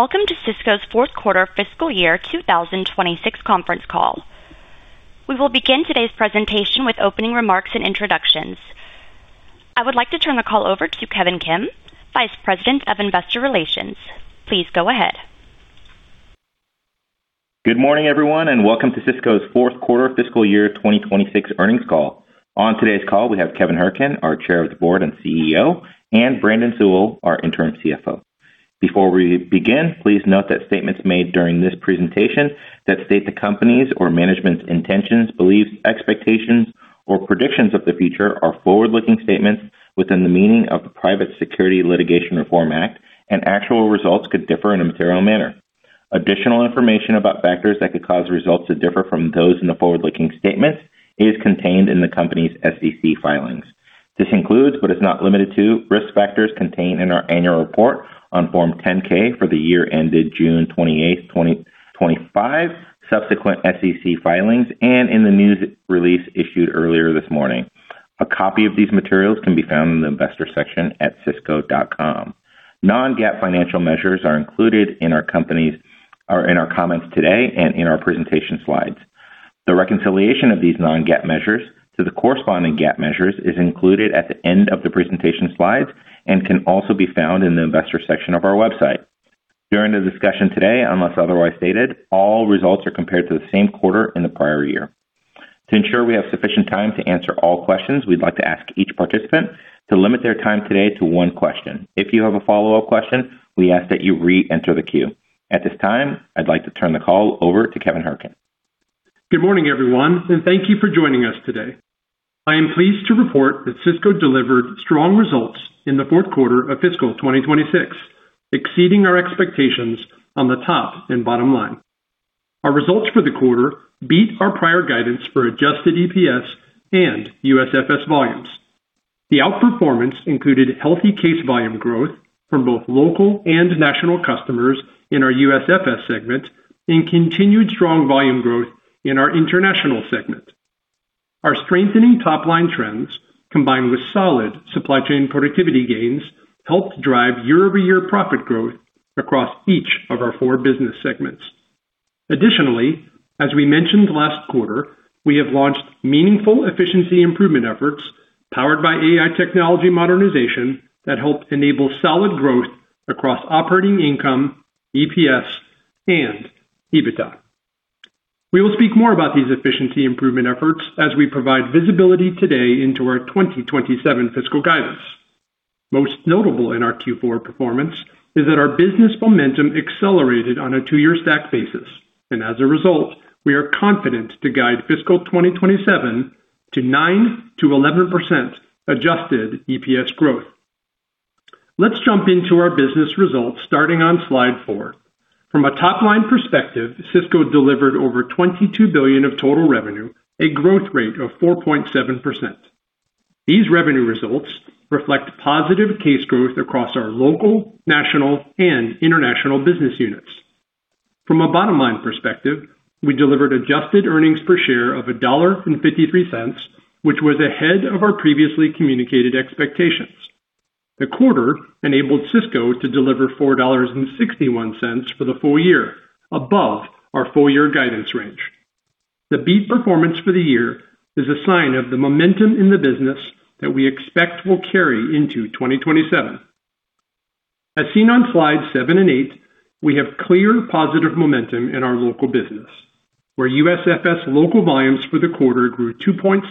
Welcome to Sysco's fourth quarter fiscal year 2026 conference call. We will begin today's presentation with opening remarks and introductions. I would like to turn the call over to Kevin Kim, Vice President of Investor Relations. Please go ahead. Good morning, everyone. Welcome to Sysco's fourth quarter fiscal year 2026 earnings call. On today's call, we have Kevin Hourican, our Chair of the Board and CEO, and Brandon Sewell, our Interim CFO. Before we begin, please note that statements made during this presentation that state the company's or management's intentions, beliefs, expectations, or predictions of the future are forward-looking statements within the meaning of the Private Securities Litigation Reform Act, and actual results could differ in a material manner. Additional information about factors that could cause results to differ from those in the forward-looking statements is contained in the company's SEC filings. This includes, but is not limited to, risk factors contained in our annual report on Form 10-K for the year ended June 28th, 2025, subsequent SEC filings, and in the news release issued earlier this morning. A copy of these materials can be found in the investor section at sysco.com. Non-GAAP financial measures are included in our comments today and in our presentation slides. The reconciliation of these non-GAAP measures to the corresponding GAAP measures is included at the end of the presentation slides and can also be found in the investor section of our website. During the discussion today, unless otherwise stated, all results are compared to the same quarter in the prior year. To ensure we have sufficient time to answer all questions, we'd like to ask each participant to limit their time today to one question. If you have a follow-up question, we ask that you re-enter the queue. At this time, I'd like to turn the call over to Kevin Hourican. Good morning, everyone. Thank you for joining us today. I am pleased to report that Sysco delivered strong results in the fourth quarter of fiscal 2026, exceeding our expectations on the top and bottom line. Our results for the quarter beat our prior guidance for adjusted EPS and USFS volumes. The outperformance included healthy case volume growth from both local and national customers in our USFS segment and continued strong volume growth in our international segment. Our strengthening top-line trends, combined with solid supply chain productivity gains, helped drive year-over-year profit growth across each of our four business segments. Additionally, as we mentioned last quarter, we have launched meaningful efficiency improvement efforts powered by AI technology modernization that helped enable solid growth across operating income, EPS, and EBITDA. We will speak more about these efficiency improvement efforts as we provide visibility today into our 2027 fiscal guidance. Most notable in our Q4 performance is that our business momentum accelerated on a two-year stack basis. As a result, we are confident to guide fiscal 2027 to 9%-11% adjusted EPS growth. Let's jump into our business results starting on slide four. From a top-line perspective, Sysco delivered over $22 billion of total revenue, a growth rate of 4.7%. These revenue results reflect positive case growth across our local, national, and international business units. From a bottom-line perspective, we delivered adjusted earnings per share of $1.53, which was ahead of our previously communicated expectations. The quarter enabled Sysco to deliver $4.61 for the full year, above our full-year guidance range. The beat performance for the year is a sign of the momentum in the business that we expect will carry into 2027. As seen on slides seven and eight, we have clear positive momentum in our local business, where USFS local volumes for the quarter grew 2.6%,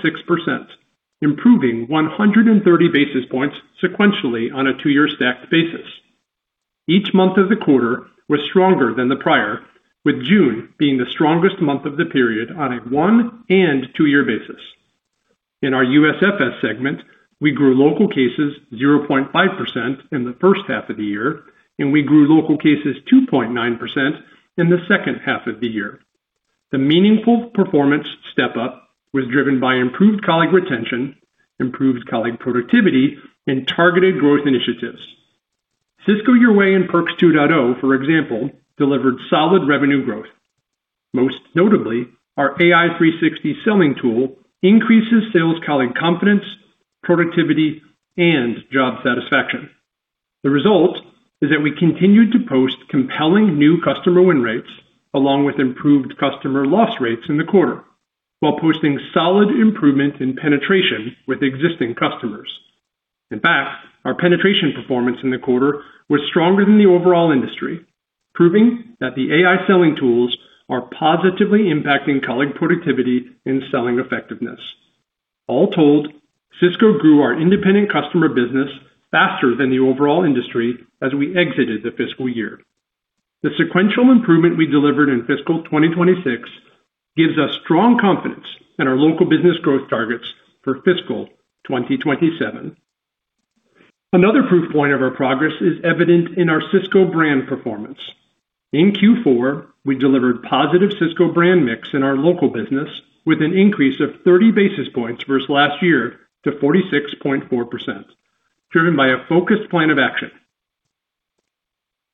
improving 130 basis points sequentially on a two-year stacked basis. Each month of the quarter was stronger than the prior, with June being the strongest month of the period on a one- and two-year basis. In our USFS segment, we grew local cases 0.5% in the first half of the year, and we grew local cases 2.9% in the second half of the year. The meaningful performance step-up was driven by improved colleague retention, improved colleague productivity, and targeted growth initiatives. Sysco Your Way and Perks 2.0, for example, delivered solid revenue growth. Most notably, our AI 360 selling tool increases sales colleague confidence, productivity, and job satisfaction. The result is that we continued to post compelling new customer win rates, along with improved customer loss rates in the quarter, while posting solid improvement in penetration with existing customers. In fact, our penetration performance in the quarter was stronger than the overall industry, proving that the AI selling tools are positively impacting colleague productivity and selling effectiveness. All told, Sysco grew our independent customer business faster than the overall industry as we exited the fiscal year. The sequential improvement we delivered in fiscal 2026 gives us strong confidence in our local business growth targets for fiscal 2027. Another proof point of our progress is evident in our Sysco Brand performance. In Q4, we delivered positive Sysco Brand mix in our local business with an increase of 30 basis points versus last year to 46.4%, driven by a focused plan of action.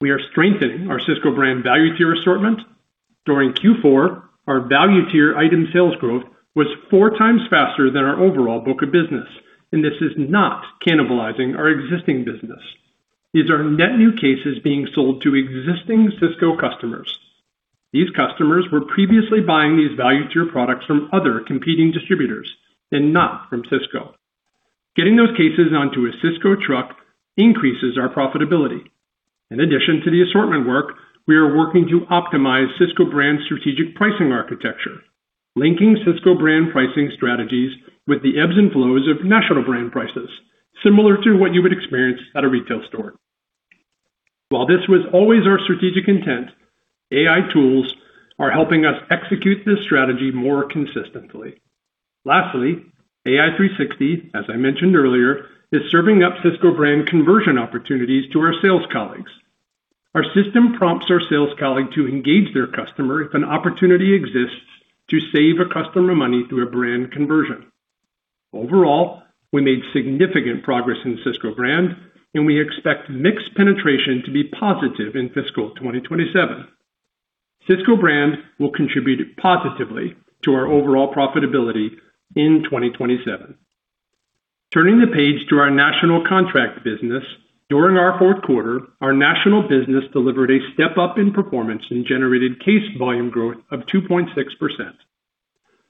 We are strengthening our Sysco Brand value tier assortment. During Q4, our value tier item sales growth was four times faster than our overall book of business. This is not cannibalizing our existing business. These are net new cases being sold to existing Sysco customers. These customers were previously buying these value tier products from other competing distributors and not from Sysco. Getting those cases onto a Sysco truck increases our profitability. In addition to the assortment work, we are working to optimize Sysco Brand's strategic pricing architecture. Linking Sysco Brand pricing strategies with the ebbs and flows of national brand prices, similar to what you would experience at a retail store. While this was always our strategic intent, AI tools are helping us execute this strategy more consistently. Lastly, AI 360, as I mentioned earlier, is serving up Sysco Brand conversion opportunities to our sales colleagues. Our system prompts our sales colleague to engage their customer if an opportunity exists to save a customer money through a brand conversion. Overall, we made significant progress in Sysco Brand, and we expect mix penetration to be positive in fiscal 2027. Sysco Brand will contribute positively to our overall profitability in 2027. Turning the page to our national contract business, during our fourth quarter, our national business delivered a step-up in performance and generated case volume growth of 2.6%.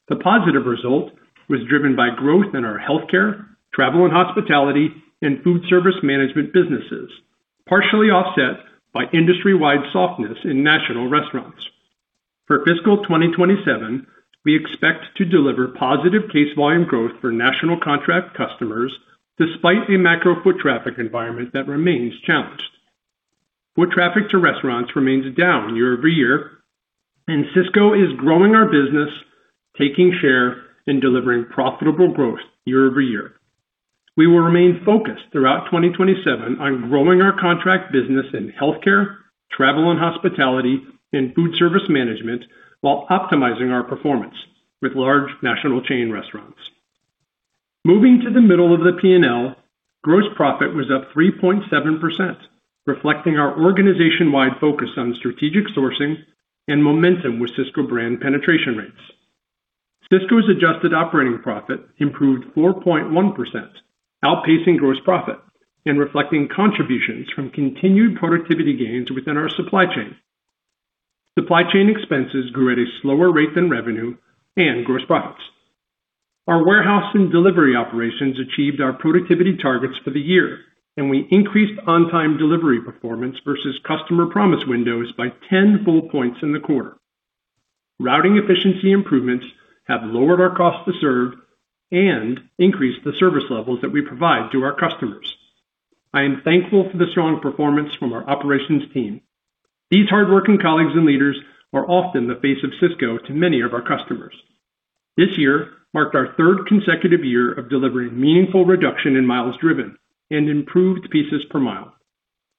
The positive result was driven by growth in our healthcare, travel and hospitality, and food service management businesses, partially offset by industry-wide softness in national restaurants. For fiscal 2027, we expect to deliver positive case volume growth for national contract customers, despite a macro foot traffic environment that remains challenged. Foot traffic to restaurants remains down year-over-year. Sysco is growing our business, taking share, and delivering profitable growth year-over-year. We will remain focused throughout 2027 on growing our contract business in healthcare, travel and hospitality, and food service management, while optimizing our performance with large national chain restaurants. Moving to the middle of the P&L, gross profit was up 3.7%, reflecting our organization-wide focus on strategic sourcing and momentum with Sysco Brand penetration rates. Sysco's adjusted operating profit improved 4.1%, outpacing gross profit and reflecting contributions from continued productivity gains within our supply chain. Supply chain expenses grew at a slower rate than revenue and gross profits. Our warehouse and delivery operations achieved our productivity targets for the year, and we increased on-time delivery performance versus customer promise windows by 10 full points in the quarter. Routing efficiency improvements have lowered our cost to serve and increased the service levels that we provide to our customers. I am thankful for the strong performance from our operations team. These hardworking colleagues and leaders are often the face of Sysco to many of our customers. This year marked our third consecutive year of delivering meaningful reduction in miles driven and improved pieces per mile.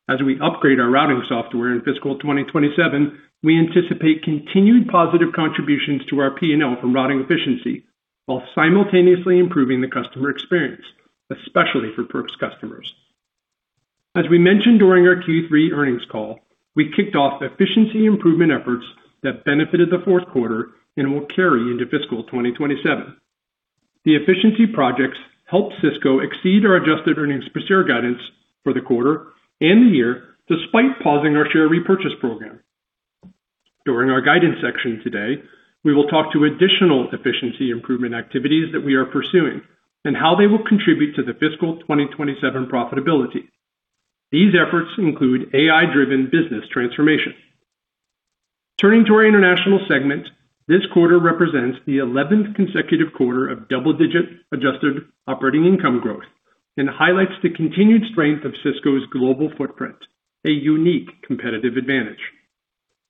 As we upgrade our routing software in fiscal 2027, we anticipate continued positive contributions to our P&L from routing efficiency while simultaneously improving the customer experience, especially for Perks customers. As we mentioned during our Q3 earnings call, we kicked off efficiency improvement efforts that benefited the fourth quarter and will carry into fiscal 2027. The efficiency projects helped Sysco exceed our adjusted earnings per share guidance for the quarter and the year, despite pausing our share repurchase program. During our guidance section today, we will talk to additional efficiency improvement activities that we are pursuing and how they will contribute to the fiscal 2027 profitability. These efforts include AI-driven business transformation. Turning to our international segment, this quarter represents the 11th consecutive quarter of double-digit adjusted operating income growth and highlights the continued strength of Sysco's global footprint, a unique competitive advantage.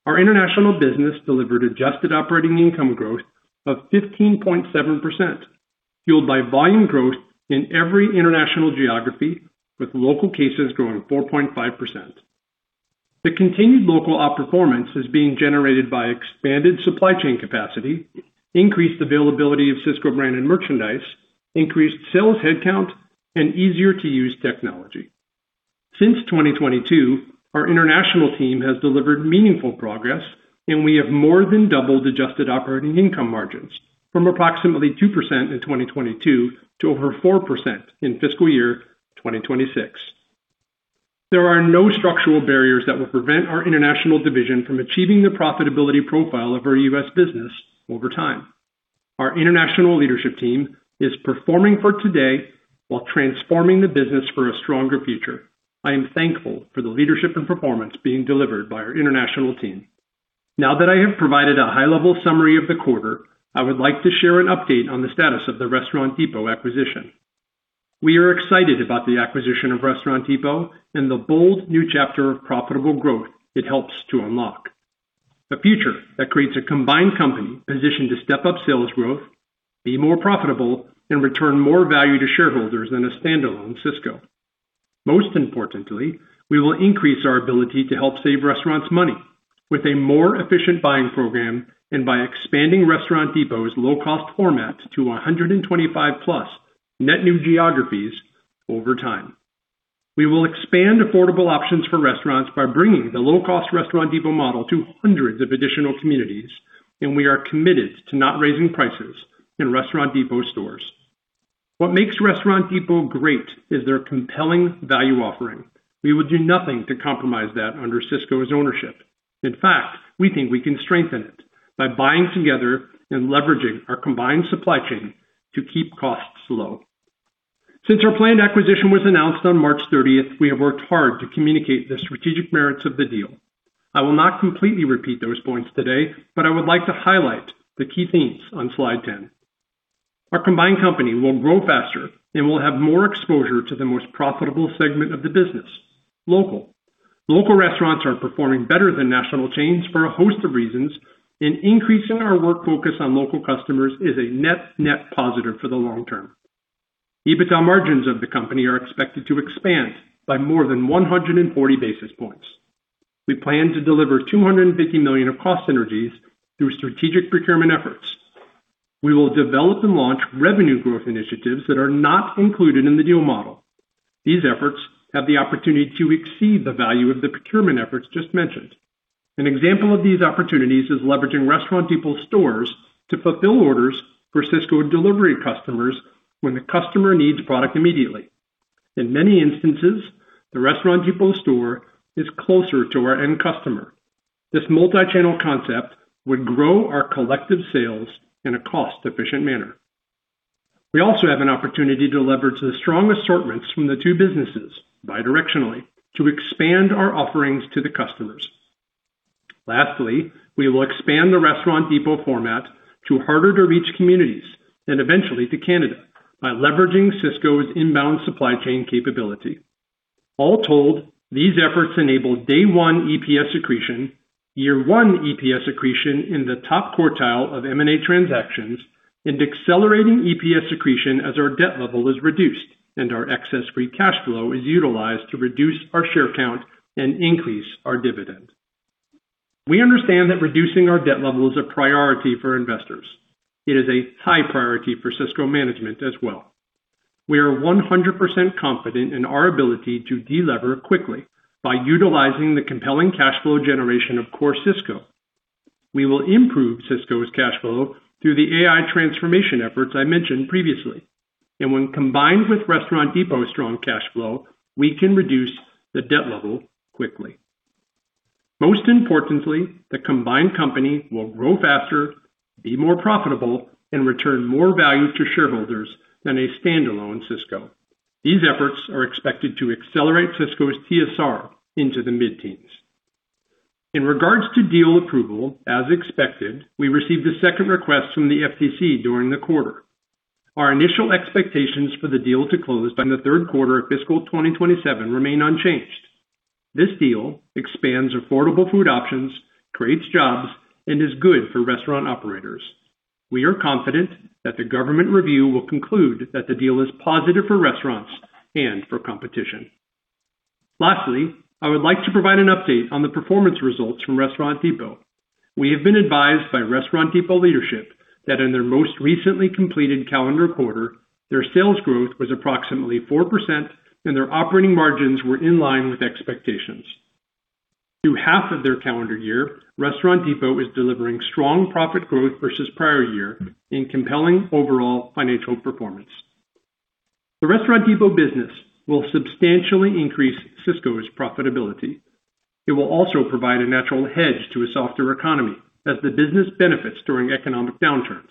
Our international business delivered adjusted operating income growth of 15.7%, fueled by volume growth in every international geography, with local cases growing 4.5%. The continued local op performance is being generated by expanded supply chain capacity, increased availability of Sysco branded merchandise, increased sales headcount, and easier-to-use technology. Since 2022, our international team has delivered meaningful progress. We have more than doubled adjusted operating income margins from approximately 2% in 2022 to over 4% in fiscal year 2026. There are no structural barriers that will prevent our international division from achieving the profitability profile of our U.S. business over time. Our international leadership team is performing for today while transforming the business for a stronger future. I am thankful for the leadership and performance being delivered by our international team. Now that I have provided a high-level summary of the quarter, I would like to share an update on the status of the Restaurant Depot acquisition. We are excited about the acquisition of Restaurant Depot and the bold new chapter of profitable growth it helps to unlock. A future that creates a combined company positioned to step up sales growth, be more profitable, and return more value to shareholders than a standalone Sysco. Most importantly, we will increase our ability to help save restaurants money with a more efficient buying program and by expanding Restaurant Depot's low-cost format to 125+ net new geographies over time. We will expand affordable options for restaurants by bringing the low-cost Restaurant Depot model to hundreds of additional communities, and we are committed to not raising prices in Restaurant Depot stores. What makes Restaurant Depot great is their compelling value offering. We would do nothing to compromise that under Sysco's ownership. In fact, we think we can strengthen it by buying together and leveraging our combined supply chain to keep costs low. Since our planned acquisition was announced on March 30th, we have worked hard to communicate the strategic merits of the deal. I will not completely repeat those points today, but I would like to highlight the key themes on slide 10. Our combined company will grow faster and will have more exposure to the most profitable segment of the business, local. Local restaurants are performing better than national chains for a host of reasons, and increasing our work focus on local customers is a net-net positive for the long term. EBITDA margins of the company are expected to expand by more than 140 basis points. We plan to deliver $250 million of cost synergies through strategic procurement efforts. We will develop and launch revenue growth initiatives that are not included in the deal model. These efforts have the opportunity to exceed the value of the procurement efforts just mentioned. An example of these opportunities is leveraging Restaurant Depot stores to fulfill orders for Sysco delivery customers when the customer needs product immediately. In many instances, the Restaurant Depot store is closer to our end customer. This multi-channel concept would grow our collective sales in a cost-efficient manner. We also have an opportunity to leverage the strong assortments from the two businesses bi-directionally to expand our offerings to the customers. Lastly, we will expand the Restaurant Depot format to harder-to-reach communities and eventually to Canada by leveraging Sysco's inbound supply chain capability. All told, these efforts enable day one EPS accretion, year one EPS accretion in the top quartile of M&A transactions, and accelerating EPS accretion as our debt level is reduced and our excess free cash flow is utilized to reduce our share count and increase our dividend. We understand that reducing our debt level is a priority for investors. It is a high priority for Sysco management as well. We are 100% confident in our ability to de-lever quickly by utilizing the compelling cash flow generation of core Sysco. We will improve Sysco's cash flow through the AI transformation efforts I mentioned previously. When combined with Restaurant Depot's strong cash flow, we can reduce the debt level quickly. Most importantly, the combined company will grow faster, be more profitable, and return more value to shareholders than a standalone Sysco. These efforts are expected to accelerate Sysco's TSR into the mid-teens. In regards to deal approval, as expected, we received a second request from the FTC during the quarter. Our initial expectations for the deal to close by the third quarter of fiscal 2027 remain unchanged. This deal expands affordable food options, creates jobs, and is good for restaurant operators. We are confident that the government review will conclude that the deal is positive for restaurants and for competition. Lastly, I would like to provide an update on the performance results from Restaurant Depot. We have been advised by Restaurant Depot leadership that in their most recently completed calendar quarter, their sales growth was approximately 4% and their operating margins were in line with expectations. Through half of their calendar year, Restaurant Depot is delivering strong profit growth versus prior year in compelling overall financial performance. The Restaurant Depot business will substantially increase Sysco's profitability. It will also provide a natural hedge to a softer economy as the business benefits during economic downturns.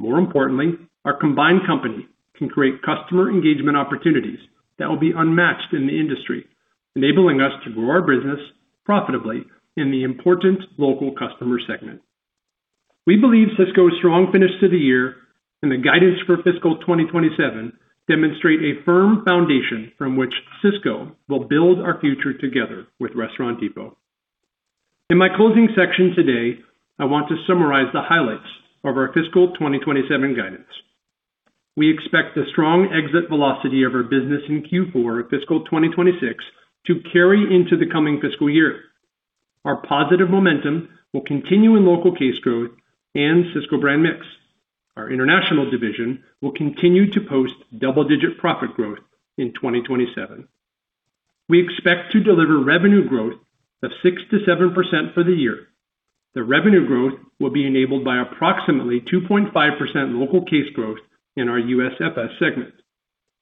More importantly, our combined company can create customer engagement opportunities that will be unmatched in the industry, enabling us to grow our business profitably in the important local customer segment. We believe Sysco's strong finish to the year and the guidance for fiscal 2027 demonstrate a firm foundation from which Sysco will build our future together with Restaurant Depot. In my closing section today, I want to summarize the highlights of our fiscal 2027 guidance. We expect the strong exit velocity of our business in Q4 of fiscal 2026 to carry into the coming fiscal year. Our positive momentum will continue in local case growth and Sysco Brand mix. Our international division will continue to post double-digit profit growth in 2027. We expect to deliver revenue growth of 6% to 7% for the year. The revenue growth will be enabled by approximately 2.5% local case growth in our US FS segment.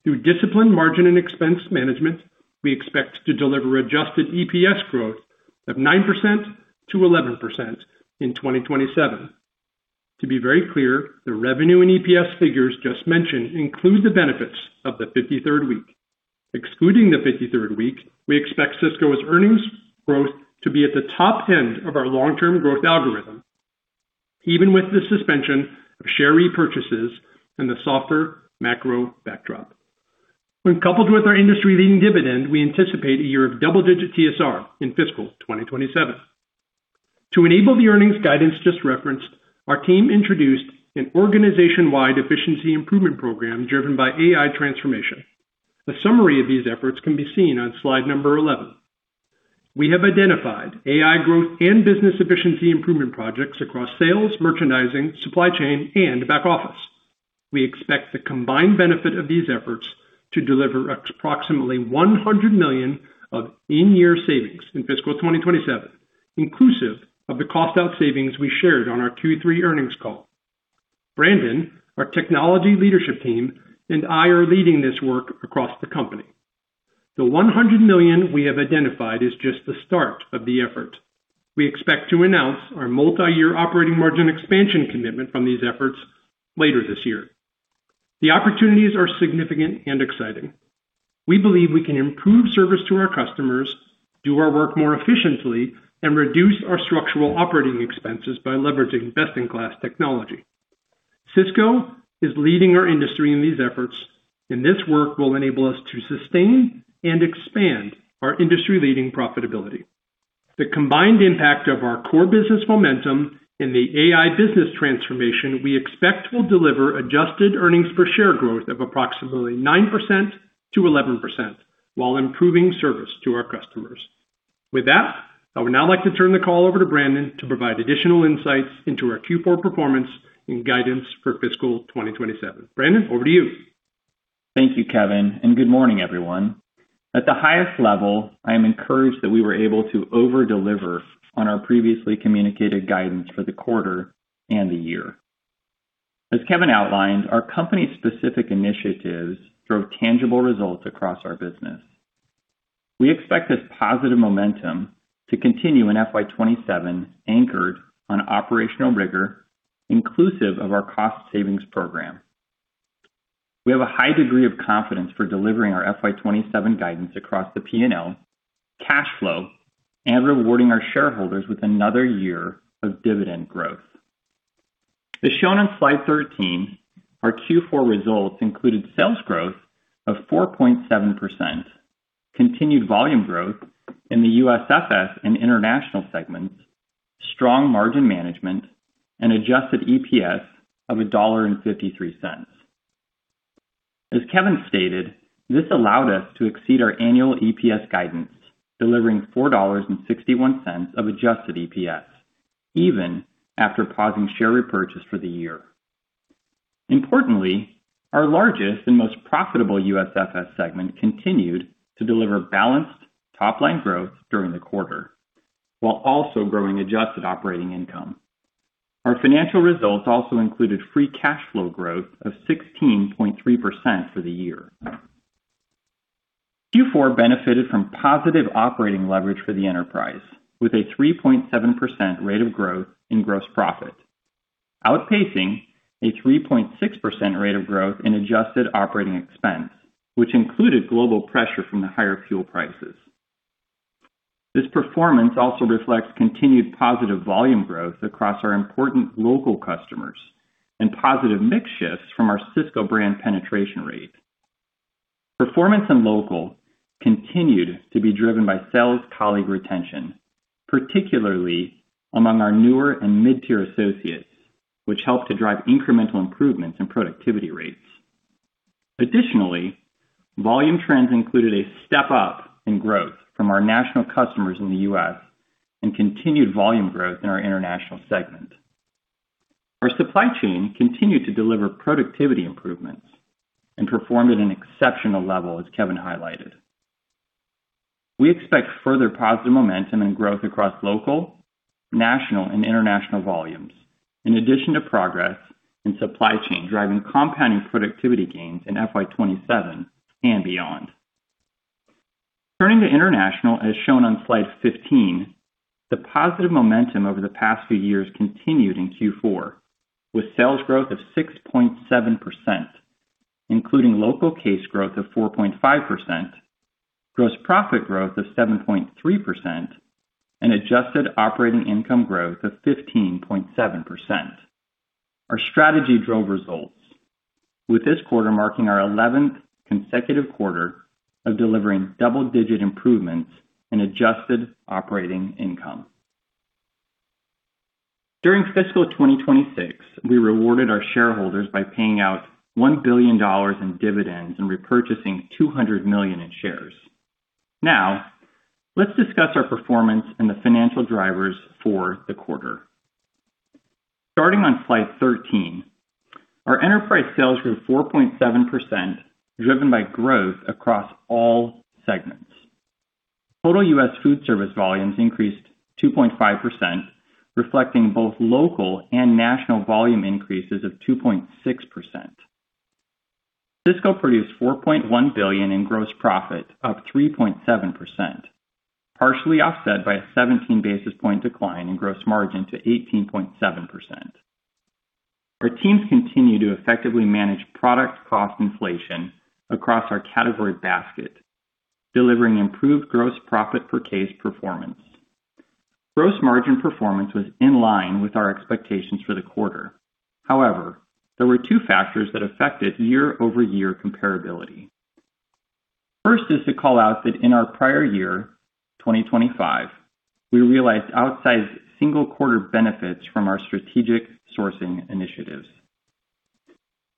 Through disciplined margin and expense management, we expect to deliver adjusted EPS growth of 9% to 11% in 2027. To be very clear, the revenue and EPS figures just mentioned include the benefits of the 53rd week. Excluding the 53rd week, we expect Sysco's earnings growth to be at the top end of our long-term growth algorithm, even with the suspension of share repurchases and the softer macro backdrop. When coupled with our industry-leading dividend, we anticipate a year of double-digit TSR in fiscal 2027. To enable the earnings guidance just referenced, our team introduced an organization-wide efficiency improvement program driven by AI transformation. A summary of these efforts can be seen on slide number 11. We have identified AI growth and business efficiency improvement projects across sales, merchandising, supply chain, and back office. We expect the combined benefit of these efforts to deliver approximately $100 million of in-year savings in fiscal 2027, inclusive of the cost out savings we shared on our Q3 earnings call. Brandon, our technology leadership team, and I are leading this work across the company. The $100 million we have identified is just the start of the effort. We expect to announce our multi-year operating margin expansion commitment from these efforts later this year. The opportunities are significant and exciting. We believe we can improve service to our customers, do our work more efficiently, and reduce our structural operating expenses by leveraging best-in-class technology. Sysco is leading our industry in these efforts, and this work will enable us to sustain and expand our industry-leading profitability. The combined impact of our core business momentum and the AI business transformation we expect will deliver adjusted earnings per share growth of approximately 9%-11% while improving service to our customers. With that, I would now like to turn the call over to Brandon to provide additional insights into our Q4 performance and guidance for fiscal 2027. Brandon, over to you. Thank you, Kevin, and good morning, everyone. At the highest level, I am encouraged that we were able to over-deliver on our previously communicated guidance for the quarter and the year. As Kevin outlined, our company's specific initiatives drove tangible results across our business. We expect this positive momentum to continue in FY 2027, anchored on operational rigor, inclusive of our cost savings program. We have a high degree of confidence for delivering our FY 2027 guidance across the P&L, cash flow, and rewarding our shareholders with another year of dividend growth. As shown on slide 13, our Q4 results included sales growth of 4.7%, continued volume growth in the USFS and international segments, strong margin management, and adjusted EPS of $1.53. As Kevin stated, this allowed us to exceed our annual EPS guidance, delivering $4.61 of adjusted EPS, even after pausing share repurchase for the year. Importantly, our largest and most profitable USFS segment continued to deliver balanced top-line growth during the quarter while also growing adjusted operating income. Our financial results also included free cash flow growth of 16.3% for the year. Q4 benefited from positive operating leverage for the enterprise with a 3.7% rate of growth in gross profit, outpacing a 3.6% rate of growth in adjusted operating expense, which included global pressure from the higher fuel prices. This performance also reflects continued positive volume growth across our important local customers and positive mix shifts from our Sysco Brand penetration rate. Performance and local continued to be driven by sales colleague retention, particularly among our newer and mid-tier associates, which helped to drive incremental improvements in productivity rates. Additionally, volume trends included a step up in growth from our national customers in the U.S. and continued volume growth in our international segment. Our supply chain continued to deliver productivity improvements and performed at an exceptional level as Kevin highlighted. We expect further positive momentum and growth across local, national, and international volumes, in addition to progress in supply chain driving compounding productivity gains in FY 2027 and beyond. Turning to international, as shown on slide 15, the positive momentum over the past few years continued in Q4, with sales growth of 6.7%, including local case growth of 4.5%, gross profit growth of 7.3%, and adjusted operating income growth of 15.7%. Our strategy drove results with this quarter marking our 11th consecutive quarter of delivering double-digit improvements in adjusted operating income. During fiscal 2026, we rewarded our shareholders by paying out $1 billion in dividends and repurchasing $200 million in shares. Now, let's discuss our performance and the financial drivers for the quarter. Starting on slide 13, our enterprise sales grew 4.7%, driven by growth across all segments. Total U.S. food service volumes increased 2.5%, reflecting both local and national volume increases of 2.6%. Sysco produced $4.1 billion in gross profit, up 3.7%, partially offset by a 17 basis point decline in gross margin to 18.7%. Our teams continue to effectively manage product cost inflation across our category basket, delivering improved gross profit per case performance. Gross margin performance was in line with our expectations for the quarter. However, there were two factors that affected year-over-year comparability. First is to call out that in our prior year, 2025, we realized outsized single quarter benefits from our strategic sourcing initiatives.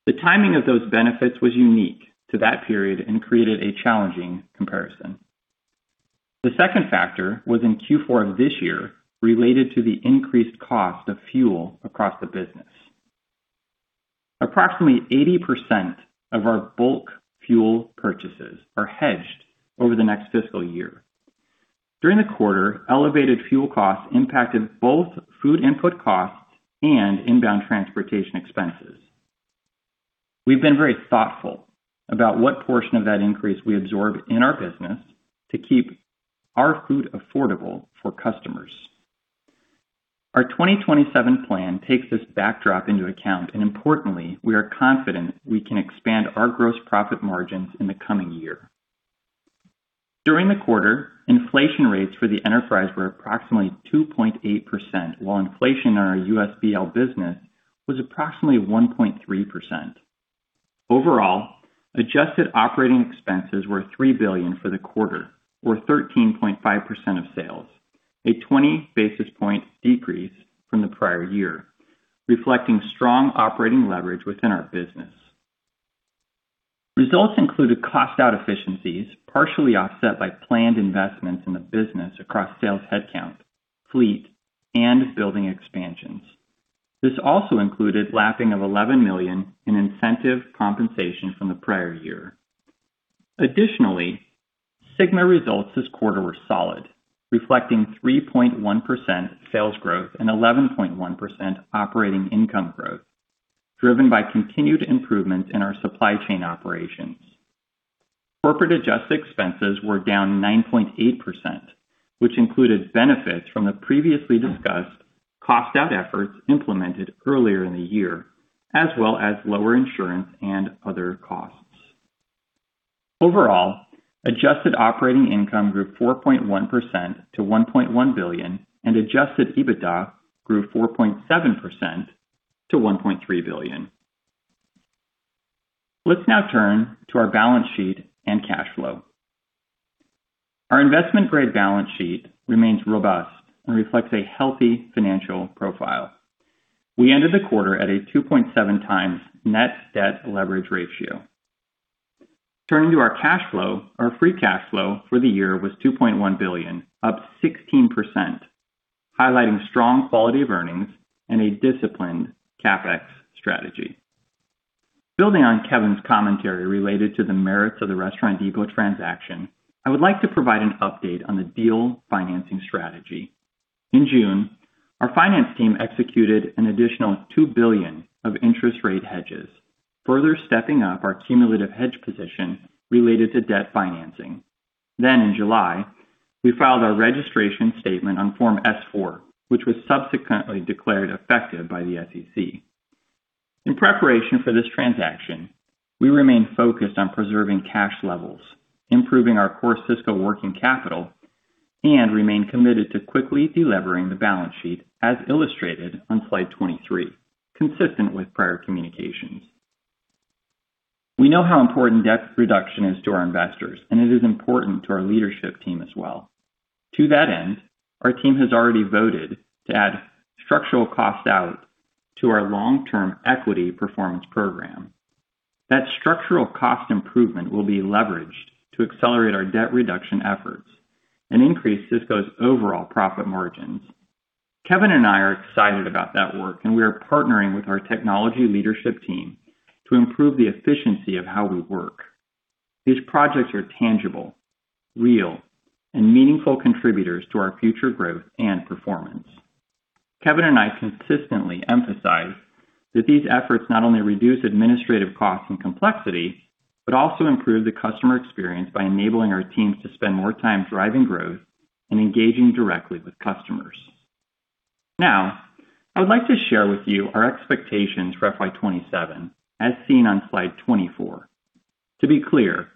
The timing of those benefits was unique to that period and created a challenging comparison. The second factor was in Q4 of this year related to the increased cost of fuel across the business. Approximately 80% of our bulk fuel purchases are hedged over the next fiscal year. During the quarter, elevated fuel costs impacted both food input costs and inbound transportation expenses. We've been very thoughtful about what portion of that increase we absorb in our business to keep our food affordable for customers. Our 2027 plan takes this backdrop into account. Importantly, we are confident we can expand our gross profit margins in the coming year. During the quarter, inflation rates for the enterprise were approximately 2.8%, while inflation on our USBL business was approximately 1.3%. Overall, adjusted operating expenses were $3 billion for the quarter, or 13.5% of sales, a 20 basis point decrease from the prior year, reflecting strong operating leverage within our business. Results included cost out efficiencies, partially offset by planned investments in the business across sales headcount, fleet, and building expansions. This also included lapping of $11 million in incentive compensation from the prior year. Additionally, SYGMA results this quarter were solid, reflecting 3.1% sales growth and 11.1% operating income growth, driven by continued improvement in our supply chain operations. Corporate adjusted expenses were down 9.8%, which included benefits from the previously discussed cost out efforts implemented earlier in the year, as well as lower insurance and other costs. Overall, adjusted operating income grew 4.1% to $1.1 billion and adjusted EBITDA grew 4.7% to $1.3 billion. Let's now turn to our balance sheet and cash flow. Our investment grade balance sheet remains robust and reflects a healthy financial profile. We ended the quarter at a 2.7 times net debt leverage ratio. Turning to our cash flow, our free cash flow for the year was $2.1 billion, up 16%, highlighting strong quality of earnings and a disciplined CapEx strategy. Building on Kevin's commentary related to the merits of the Restaurant Depot transaction, I would like to provide an update on the deal financing strategy. In June, our finance team executed an additional $2 billion of interest rate hedges, further stepping up our cumulative hedge position related to debt financing. In July, we filed our registration statement on Form S-4, which was subsequently declared effective by the SEC. In preparation for this transaction, we remain focused on preserving cash levels, improving our core Sysco working capital, and remain committed to quickly de-levering the balance sheet, as illustrated on slide 23, consistent with prior communications. We know how important debt reduction is to our investors, and it is important to our leadership team as well. To that end, our team has already voted to add structural cost out to our long-term equity performance program. That structural cost improvement will be leveraged to accelerate our debt reduction efforts and increase Sysco's overall profit margins. Kevin and I are excited about that work, and we are partnering with our technology leadership team to improve the efficiency of how we work. These projects are tangible, real, and meaningful contributors to our future growth and performance. Kevin and I consistently emphasize that these efforts not only reduce administrative costs and complexity, but also improve the customer experience by enabling our teams to spend more time driving growth and engaging directly with customers. I would like to share with you our expectations for FY 2027, as seen on slide 24. To be clear,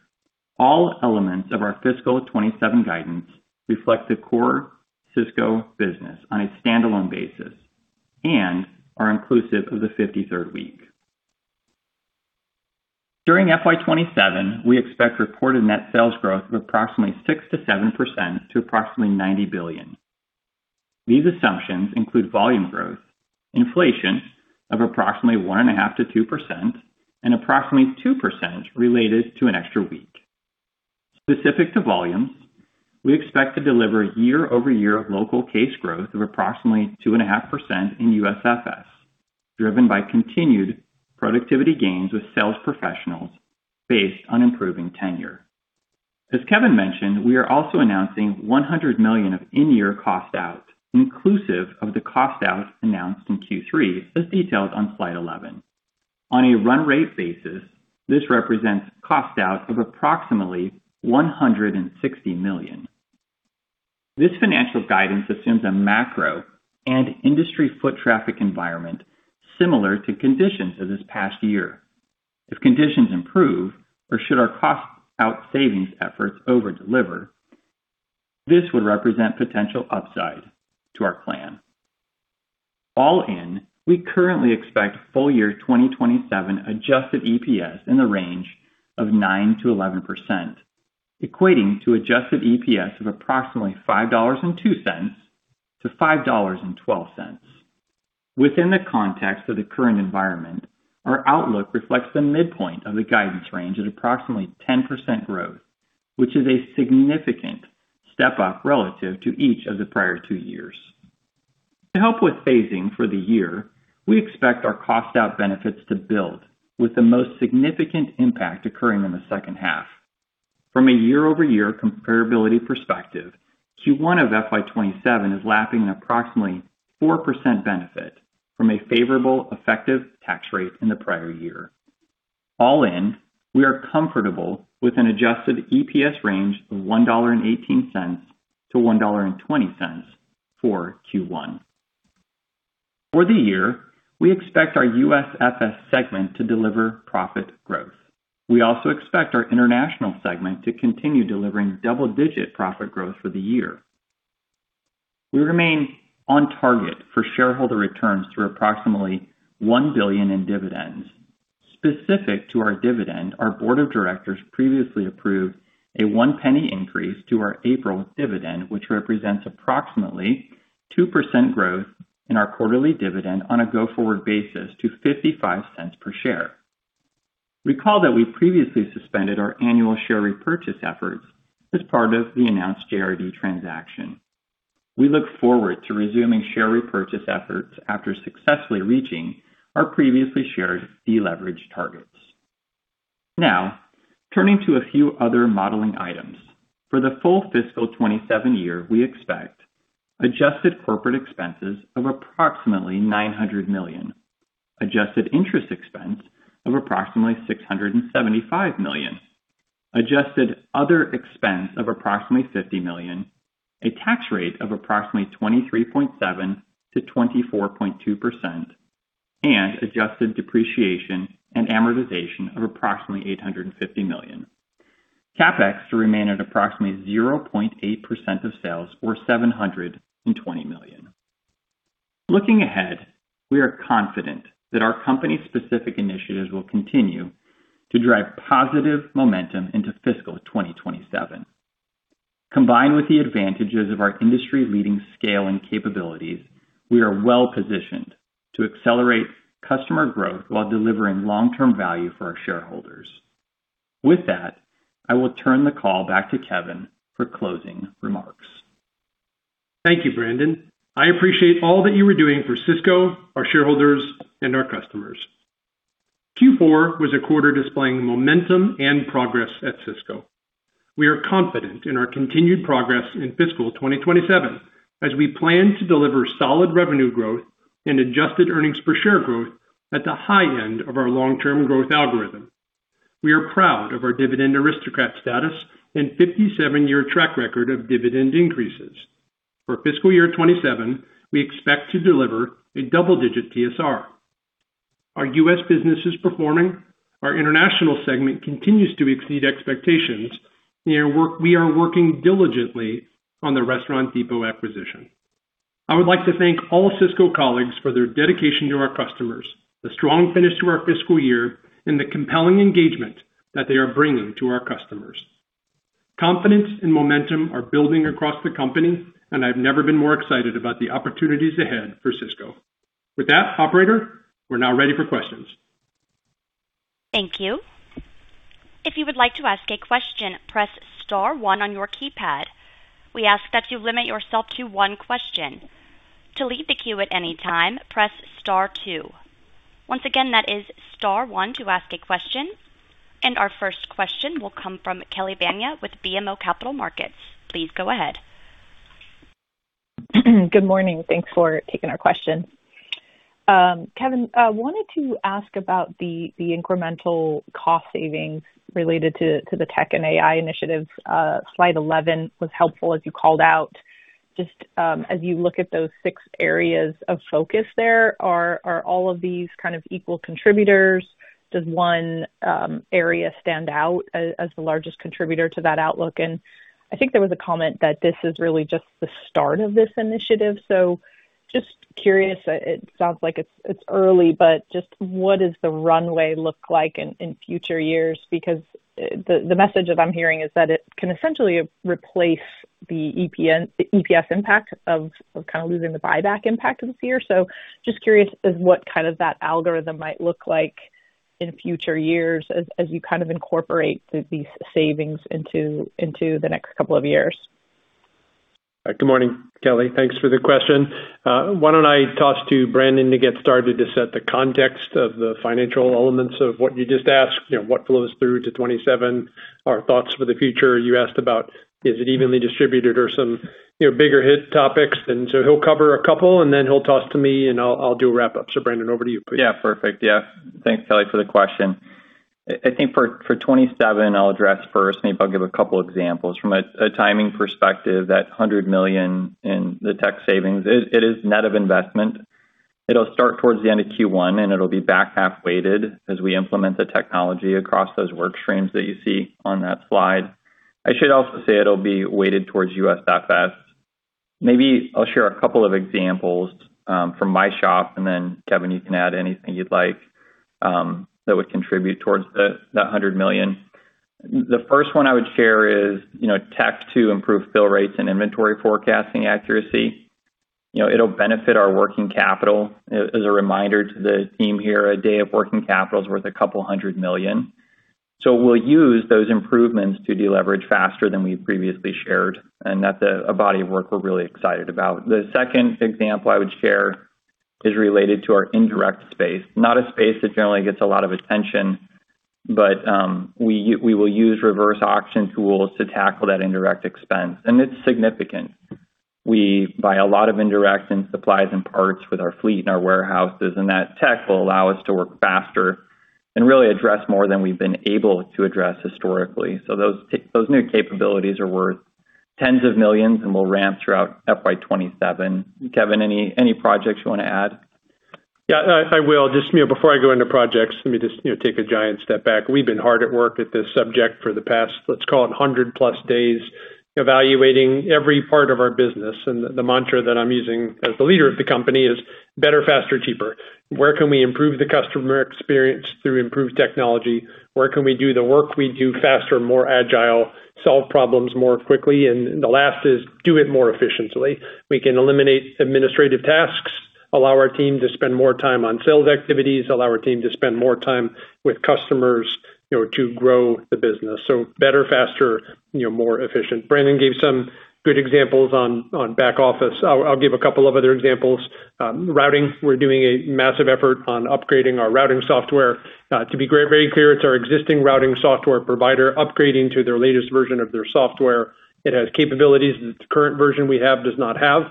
all elements of our fiscal 2027 guidance reflect the core Sysco business on a standalone basis and are inclusive of the 53rd week. During FY 2027, we expect reported net sales growth of approximately 6%-7% to approximately $90 billion. These assumptions include volume growth, inflation of approximately 1.5%-2%, and approximately 2% related to an extra week. Specific to volumes, we expect to deliver year-over-year local case growth of approximately 2.5% in USFS, driven by continued productivity gains with sales professionals based on improving tenure. As Kevin mentioned, we are also announcing $100 million of in-year cost out, inclusive of the cost out announced in Q3, as detailed on slide 11. On a run rate basis, this represents cost out of approximately $160 million. This financial guidance assumes a macro and industry foot traffic environment similar to conditions of this past year. If conditions improve or should our cost out savings efforts over-deliver, this would represent potential upside to our plan. All in, we currently expect full year 2027 adjusted EPS in the range of 9%-11%, equating to adjusted EPS of approximately $5.02-$5.12. Within the context of the current environment, our outlook reflects the midpoint of the guidance range at approximately 10% growth, which is a significant step up relative to each of the prior two years. To help with phasing for the year, we expect our cost out benefits to build, with the most significant impact occurring in the second half. From a year-over-year comparability perspective, Q1 of FY 2027 is lapping an approximately 4% benefit from a favorable effective tax rate in the prior year. All in, we are comfortable with an adjusted EPS range of $1.18-$1.20 for Q1. For the year, we expect our USFS segment to deliver profit growth. We also expect our international segment to continue delivering double-digit profit growth for the year. We remain on target for shareholder returns through approximately $1 billion in dividends. Specific to our dividend, our board of directors previously approved a $0.01 increase to our April dividend, which represents approximately 2% growth in our quarterly dividend on a go-forward basis to $0.55 per share. Recall that we previously suspended our annual share repurchase efforts as part of the announced JRD transaction. We look forward to resuming share repurchase efforts after successfully reaching our previously shared deleverage targets. Turning to a few other modeling items. For the full fiscal 2027 year, we expect adjusted corporate expenses of approximately $900 million. Adjusted interest expense of approximately $675 million, adjusted other expense of approximately $50 million. A tax rate of approximately 23.7%-24.2%, and adjusted depreciation and amortization of approximately $850 million. CapEx to remain at approximately 0.8% of sales, or $720 million. Looking ahead, we are confident that our company-specific initiatives will continue to drive positive momentum into fiscal 2027. Combined with the advantages of our industry-leading scale and capabilities, we are well-positioned to accelerate customer growth while delivering long-term value for our shareholders. With that, I will turn the call back to Kevin for closing remarks. Thank you, Brandon. I appreciate all that you are doing for Sysco, our shareholders, and our customers. Q4 was a quarter displaying momentum and progress at Sysco. We are confident in our continued progress in fiscal 2027 as we plan to deliver solid revenue growth and adjusted earnings per share growth at the high end of our long-term growth algorithm. We are proud of our dividend aristocrat status and 57-year track record of dividend increases. For fiscal year 2027, we expect to deliver a double-digit TSR. Our U.S. business is performing, our international segment continues to exceed expectations, and we are working diligently on the Restaurant Depot acquisition. I would like to thank all Sysco colleagues for their dedication to our customers, the strong finish to our fiscal year, and the compelling engagement that they are bringing to our customers. Confidence and momentum are building across the company, I've never been more excited about the opportunities ahead for Sysco. With that, operator, we're now ready for questions. Thank you. If you would like to ask a question, press star one on your keypad. We ask that you limit yourself to one question. To leave the queue at any time, press star two. Once again, that is star one to ask a question. Our first question will come from Kelly Bania with BMO Capital Markets. Please go ahead. Good morning. Thanks for taking our question. Kevin, I wanted to ask about the incremental cost savings related to the tech and AI initiatives. Slide 11 was helpful as you called out. Just as you look at those six areas of focus there, are all of these kind of equal contributors? Does one area stand out as the largest contributor to that outlook? I think there was a comment that this is really just the start of this initiative. Just curious, it sounds like it's early, but just what does the runway look like in future years? Because the message that I'm hearing is that it can essentially replace the EPS impact of kind of losing the buyback impact this year. Just curious as what kind of that algorithm might look like in future years as you kind of incorporate these savings into the next couple of years. Good morning, Kelly. Thanks for the question. Why don't I toss to Brandon to get started to set the context of the financial elements of what you just asked, what flows through to 2027, our thoughts for the future. You asked about is it evenly distributed or some bigger hit topics. He'll cover a couple and then he'll toss to me and I'll do a wrap up. Brandon, over to you, please. Perfect. Thanks, Kelly, for the question. I think for 2027, I'll address first, maybe I'll give a couple examples. From a timing perspective, that $100 million in the tech savings, it is net of investment. It'll start towards the end of Q1, and it'll be back half weighted as we implement the technology across those work streams that you see on that slide. I should also say it'll be weighted towards USFS. Maybe I'll share a couple of examples from my shop, and then Kevin, you can add anything you'd like that would contribute towards that $100 million. The first one I would share is tech to improve bill rates and inventory forecasting accuracy. It'll benefit our working capital. As a reminder to the team here, a day of working capital is worth a couple $100 million. We'll use those improvements to deleverage faster than we've previously shared, and that's a body of work we're really excited about. The second example I would share is related to our indirect space. Not a space that generally gets a lot of attention, but we will use reverse auction tools to tackle that indirect expense. It's significant. We buy a lot of indirect and supplies and parts with our fleet and our warehouses, and that tech will allow us to work faster and really address more than we've been able to address historically. Those new capabilities are worth tens of millions and will ramp throughout FY 2027. Kevin, any projects you want to add? Yeah, I will. Before I go into projects, let me take a giant step back. We've been hard at work at this subject for the past, let's call it 100+ days, evaluating every part of our business. The mantra that I'm using as the leader of the company is better, faster, cheaper. Where can we improve the customer experience through improved technology? Where can we do the work we do faster, more agile, solve problems more quickly? The last is, do it more efficiently. We can eliminate administrative tasks, allow our team to spend more time on sales activities, allow our team to spend more time with customers to grow the business. Better, faster, more efficient. Brandon gave some good examples on back office. I'll give a couple of other examples. Routing, we're doing a massive effort on upgrading our routing software. To be very clear, it's our existing routing software provider upgrading to their latest version of their software. It has capabilities that the current version we have does not have.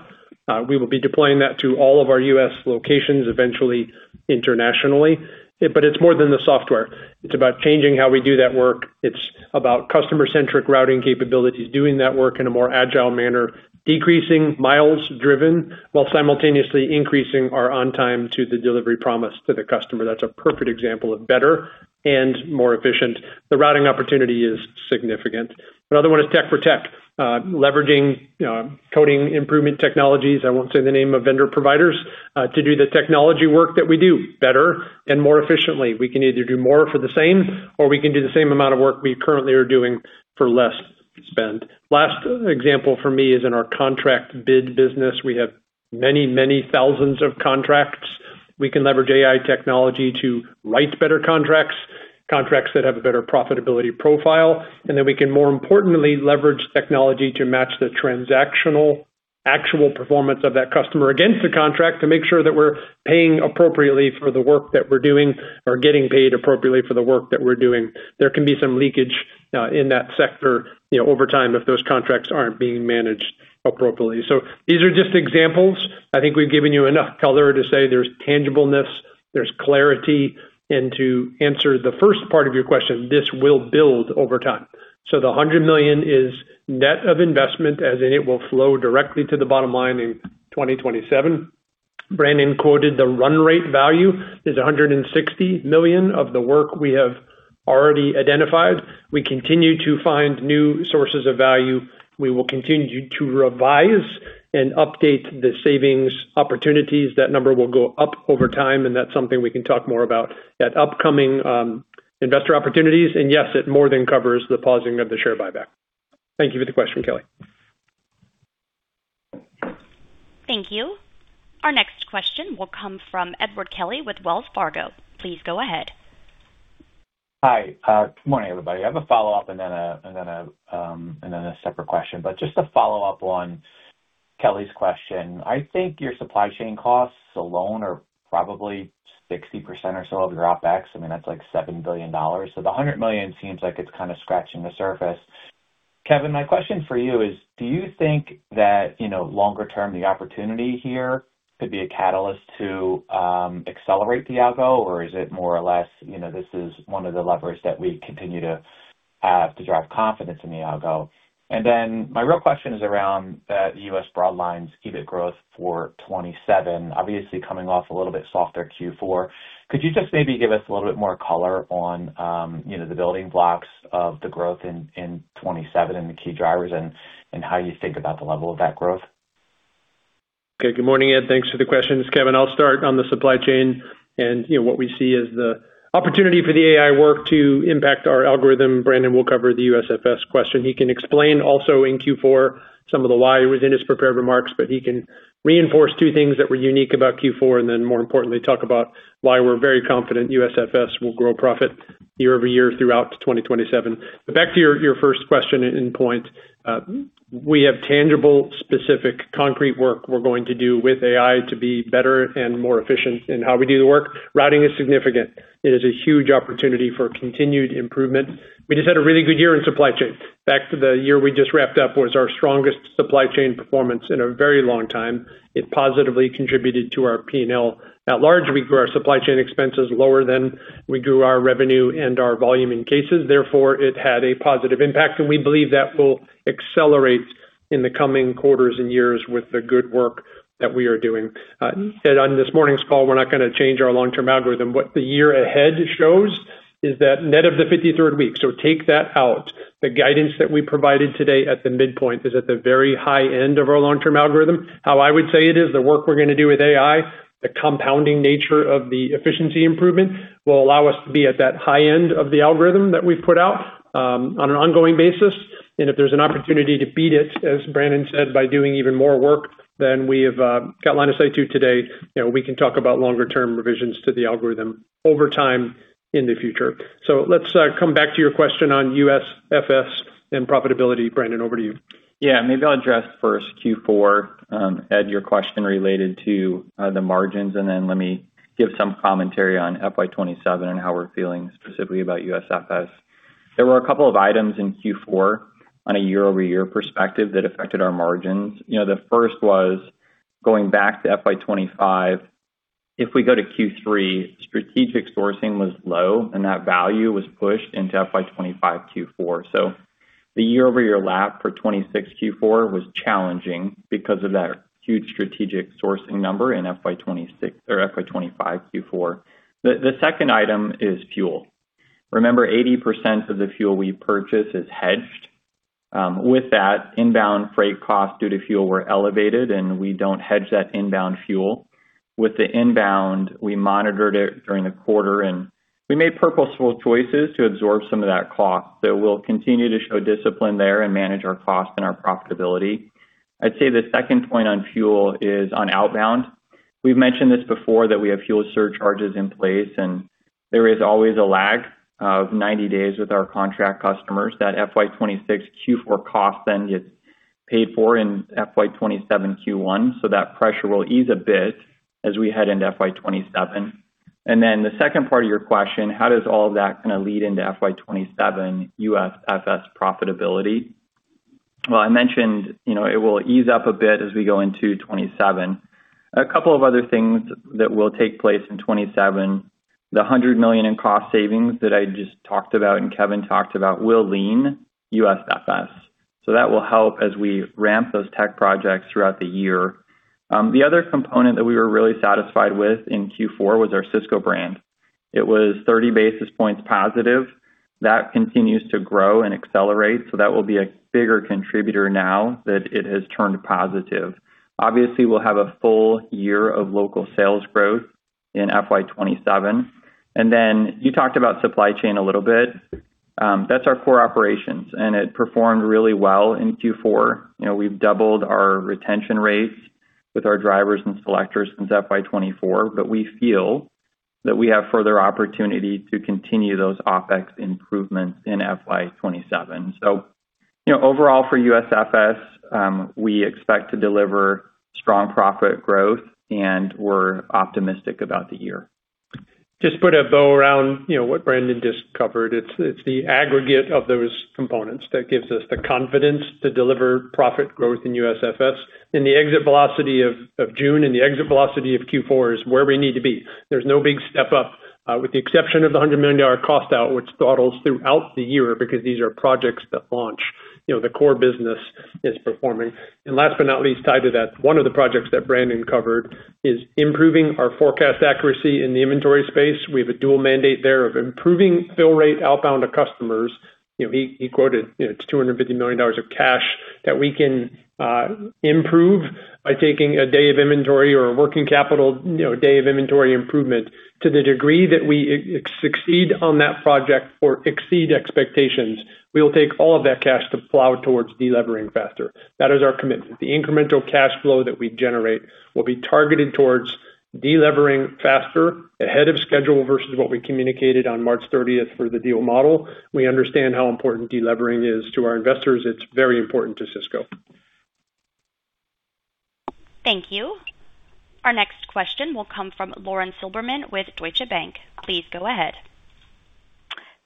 We will be deploying that to all of our U.S. locations, eventually internationally. It's more than the software. It's about changing how we do that work. It's about customer-centric routing capabilities, doing that work in a more agile manner, decreasing miles driven while simultaneously increasing our on time to the delivery promise to the customer. That's a perfect example of better and more efficient. The routing opportunity is significant. Another one is tech for tech. Leveraging coding improvement technologies, I won't say the name of vendor providers, to do the technology work that we do better and more efficiently. We can either do more for the same, or we can do the same amount of work we currently are doing for less spend. Last example from me is in our contract bid business. We have many thousands of contracts. We can leverage AI technology to write better contracts that have a better profitability profile, then we can, more importantly, leverage technology to match the transactional actual performance of that customer against the contract to make sure that we're paying appropriately for the work that we're doing or getting paid appropriately for the work that we're doing. There can be some leakage in that sector over time if those contracts aren't being managed appropriately. These are just examples. I think we've given you enough color to say there's tangibleness, there's clarity. To answer the first part of your question, this will build over time. The $100 million is net of investment, as in it will flow directly to the bottom line in 2027. Brandon quoted the run rate value is $160 million of the work we have already identified. We continue to find new sources of value. We will continue to revise and update the savings opportunities. That number will go up over time, and that's something we can talk more about at upcoming investor opportunities. Yes, it more than covers the pausing of the share buyback. Thank you for the question, Kelly. Thank you. Our next question will come from Edward Kelly with Wells Fargo. Please go ahead. Hi. Good morning, everybody. I have a follow-up and then a separate question. Just a follow-up on Kelly's question. I think your supply chain costs alone are probably 60% or so of your OpEx. I mean, that's like $7 billion. The $100 million seems like it's kind of scratching the surface. Kevin, my question for you is, do you think that longer term, the opportunity here could be a catalyst to accelerate the long-term growth algorithm? Or is it more or less, this is one of the levers that we continue to have to drive confidence in the long-term growth algorithm? My real question is around the U.S. Broadline EBIT growth for 2027, obviously coming off a little bit softer Q4. Could you just maybe give us a little bit more color on the building blocks of the growth in 2027 and the key drivers and how you think about the level of that growth? Okay. Good morning, Ed. Thanks for the questions. Kevin, I'll start on the supply chain and what we see as the opportunity for the AI work to impact our algorithm. Brandon will cover the USFS question. He can explain also in Q4 some of the why within his prepared remarks, but he can reinforce two things that were unique about Q4, and more importantly, talk about why we're very confident USFS will grow profit year-over-year throughout to 2027. Back to your first question and point. We have tangible, specific, concrete work we're going to do with AI to be better and more efficient in how we do the work. Routing is significant. It is a huge opportunity for continued improvement. We just had a really good year in supply chain. Back to the year we just wrapped up was our strongest supply chain performance in a very long time. It positively contributed to our P&L. At large, we grew our supply chain expenses lower than we grew our revenue and our volume in cases. Therefore, it had a positive impact, and we believe that will accelerate in the coming quarters and years with the good work that we are doing. Ed, on this morning's call, we're not going to change our long-term algorithm. What the year ahead shows is that net of the 53rd week. Take that out. The guidance that we provided today at the midpoint is at the very high end of our long-term algorithm. How I would say it is the work we're going to do with AI, the compounding nature of the efficiency improvement will allow us to be at that high end of the algorithm that we've put out on an ongoing basis. If there's an opportunity to beat it, as Brandon said, by doing even more work than we have got line of sight to today, we can talk about longer-term revisions to the algorithm over time in the future. Let's come back to your question on USFS and profitability. Brandon, over to you. Yeah. Maybe I'll address first Q4, Ed, your question related to the margins, and then let me give some commentary on FY 2027 and how we're feeling specifically about USFS. There were a couple of items in Q4 on a year-over-year perspective that affected our margins. The first was going back to FY 2025. If we go to Q3, strategic sourcing was low and that value was pushed into FY 2025 Q4. The year-over-year lap for 2026 Q4 was challenging because of that huge strategic sourcing number in FY 2025 Q4. The second item is fuel. Remember, 80% of the fuel we purchase is hedged. With that inbound freight cost due to fuel were elevated, and we don't hedge that inbound fuel. With the inbound, we monitored it during the quarter. We made purposeful choices to absorb some of that cost that we'll continue to show discipline there and manage our cost and our profitability. I'd say the second point on fuel is on outbound. We've mentioned this before, that we have fuel surcharges in place. There is always a lag of 90 days with our contract customers. That FY 2026 Q4 cost then gets paid for in FY 2027 Q1. That pressure will ease a bit as we head into FY 2027. The second part of your question, how does all that kind of lead into FY 2027 USFS profitability? I mentioned it will ease up a bit as we go into 2027. A couple of other things that will take place in 2027. The $100 million in cost savings that I just talked about and Kevin talked about will lean USFS. That will help as we ramp those tech projects throughout the year. The other component that we were really satisfied with in Q4 was our Sysco Brand. It was 30 basis points positive. That continues to grow and accelerate. That will be a bigger contributor now that it has turned positive. Obviously, we'll have a full year of local sales growth in FY 2027. You talked about supply chain a little bit. That's our core operations, and it performed really well in Q4. We've doubled our retention rates with our drivers and selectors since FY 2024. We feel that we have further opportunity to continue those OPEX improvements in FY 2027. Overall for USFS, we expect to deliver strong profit growth, and we're optimistic about the year. Just put a bow around what Brandon just covered. It's the aggregate of those components that gives us the confidence to deliver profit growth in USFS. The exit velocity of June and the exit velocity of Q4 is where we need to be. There's no big step up, with the exception of the $100 million cost out, which throttles throughout the year because these are projects that launch. The core business is performing. Last but not least, tied to that, one of the projects that Brandon covered is improving our forecast accuracy in the inventory space. We have a dual mandate there of improving fill rate outbound to customers. He quoted it's $250 million of cash that we can improve by taking a day of inventory or a working capital day of inventory improvement. To the degree that we succeed on that project or exceed expectations, we will take all of that cash to plow towards de-levering faster. That is our commitment. The incremental cash flow that we generate will be targeted towards de-levering faster ahead of schedule versus what we communicated on March 30th for the deal model. We understand how important de-levering is to our investors. It's very important to Sysco. Thank you. Our next question will come from Lauren Silberman with Deutsche Bank. Please go ahead.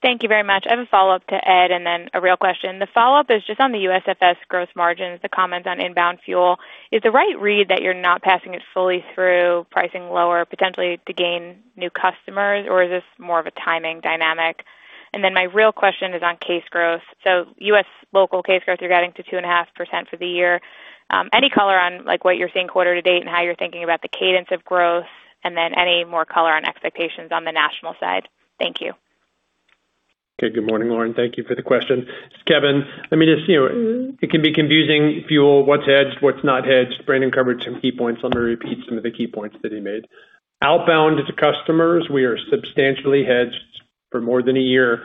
Thank you very much. I have a follow-up to Ed and then a real question. The follow-up is just on the USFS gross margins, the comments on inbound fuel. Is the right read that you're not passing it fully through pricing lower potentially to gain new customers, or is this more of a timing dynamic? My real question is on case growth. U.S. local case growth, you're guiding to 2.5% for the year. Any color on what you're seeing quarter to date and how you're thinking about the cadence of growth, any more color on expectations on the national side? Thank you. Okay. Good morning, Lauren. Thank you for the question. It's Kevin. It can be confusing fuel, what's hedged, what's not hedged. Brandon covered some key points. Let me repeat some of the key points that he made. Outbound to customers, we are substantially hedged for more than a year.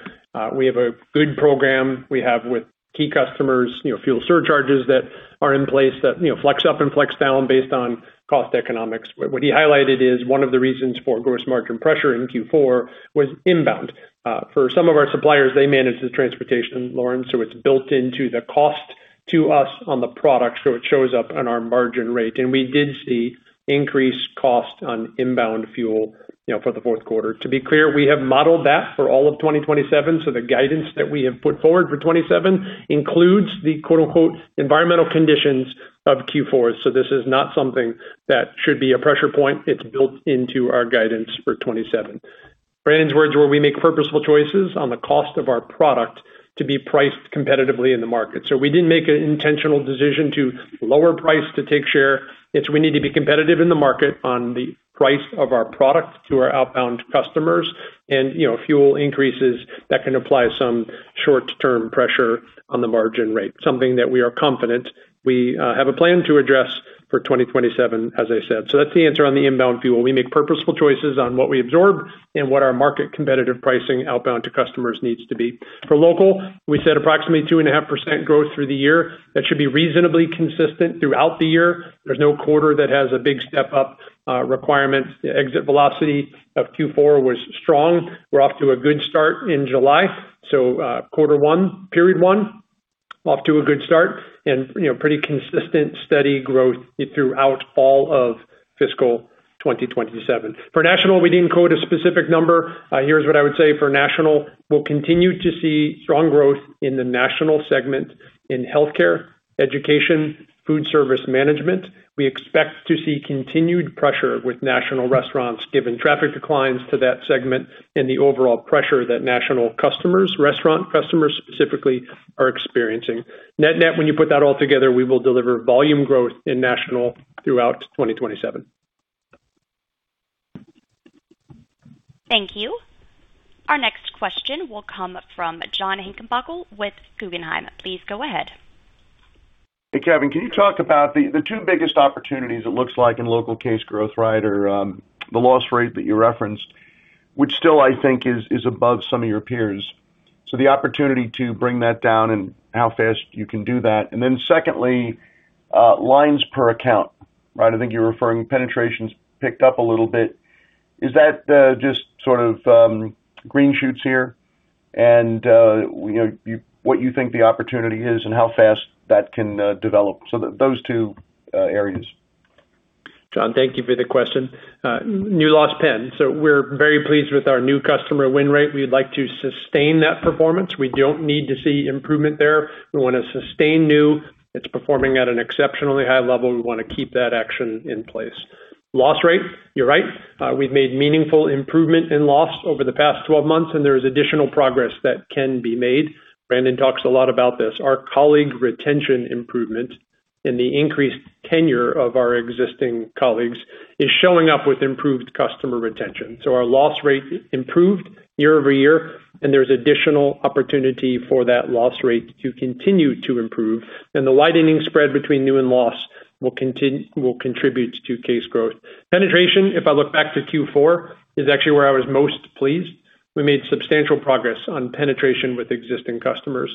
We have a good program we have with key customers, fuel surcharges that are in place that flex up and flex down based on cost economics. What he highlighted is one of the reasons for gross margin pressure in Q4 was inbound. For some of our suppliers, they manage the transportation, Lauren, so it's built into the cost to us on the product, so it shows up on our margin rate. We did see increased cost on inbound fuel for the fourth quarter. To be clear, we have modeled that for all of 2027. The guidance that we have put forward for 2027 includes the "environmental conditions" of Q4. This is not something that should be a pressure point. It's built into our guidance for 2027. Brandon's words were, "We make purposeful choices on the cost of our product to be priced competitively in the market." We didn't make an intentional decision to lower price to take share. It's we need to be competitive in the market on the price of our product to our outbound customers and fuel increases that can apply some short-term pressure on the margin rate, something that we are confident we have a plan to address for 2027, as I said. That's the answer on the inbound fuel. We make purposeful choices on what we absorb and what our market competitive pricing outbound to customers needs to be. For local, we said approximately 2.5% growth through the year. That should be reasonably consistent throughout the year. There is no quarter that has a big step-up requirement. The exit velocity of Q4 was strong. We are off to a good start in July. Quarter one, period one, off to a good start and pretty consistent, steady growth throughout all of fiscal 2027. For national, we did not quote a specific number. Here is what I would say for national. We will continue to see strong growth in the national segment in healthcare, education, foodservice management. We expect to see continued pressure with national restaurants given traffic declines to that segment and the overall pressure that national customers, restaurant customers specifically, are experiencing. Net net, when you put that all together, we will deliver volume growth in national throughout 2027. Thank you. Our next question will come from John Heinbockel with Guggenheim. Please go ahead. Hey, Kevin, can you talk about the two biggest opportunities it looks like in local case growth, right? Or the loss rate that you referenced, which still I think is above some of your peers. The opportunity to bring that down and how fast you can do that. Secondly, lines per account. I think you were referring penetration has picked up a little bit. Is that just sort of green shoots here? And what you think the opportunity is and how fast that can develop. Those two areas. John, thank you for the question. New loss pen. We are very pleased with our new customer win rate. We would like to sustain that performance. We do not need to see improvement there. We want to sustain new. It is performing at an exceptionally high level. We want to keep that action in place. Loss rate, you are right. We have made meaningful improvement in loss over the past 12 months, and there is additional progress that can be made. Brandon talks a lot about this. Our colleague retention improvement and the increased tenure of our existing colleagues is showing up with improved customer retention. Our loss rate improved year over year, and there is additional opportunity for that loss rate to continue to improve. The widening spread between new and loss will contribute to case growth. Penetration, if I look back to Q4, is actually where I was most pleased. We made substantial progress on penetration with existing customers.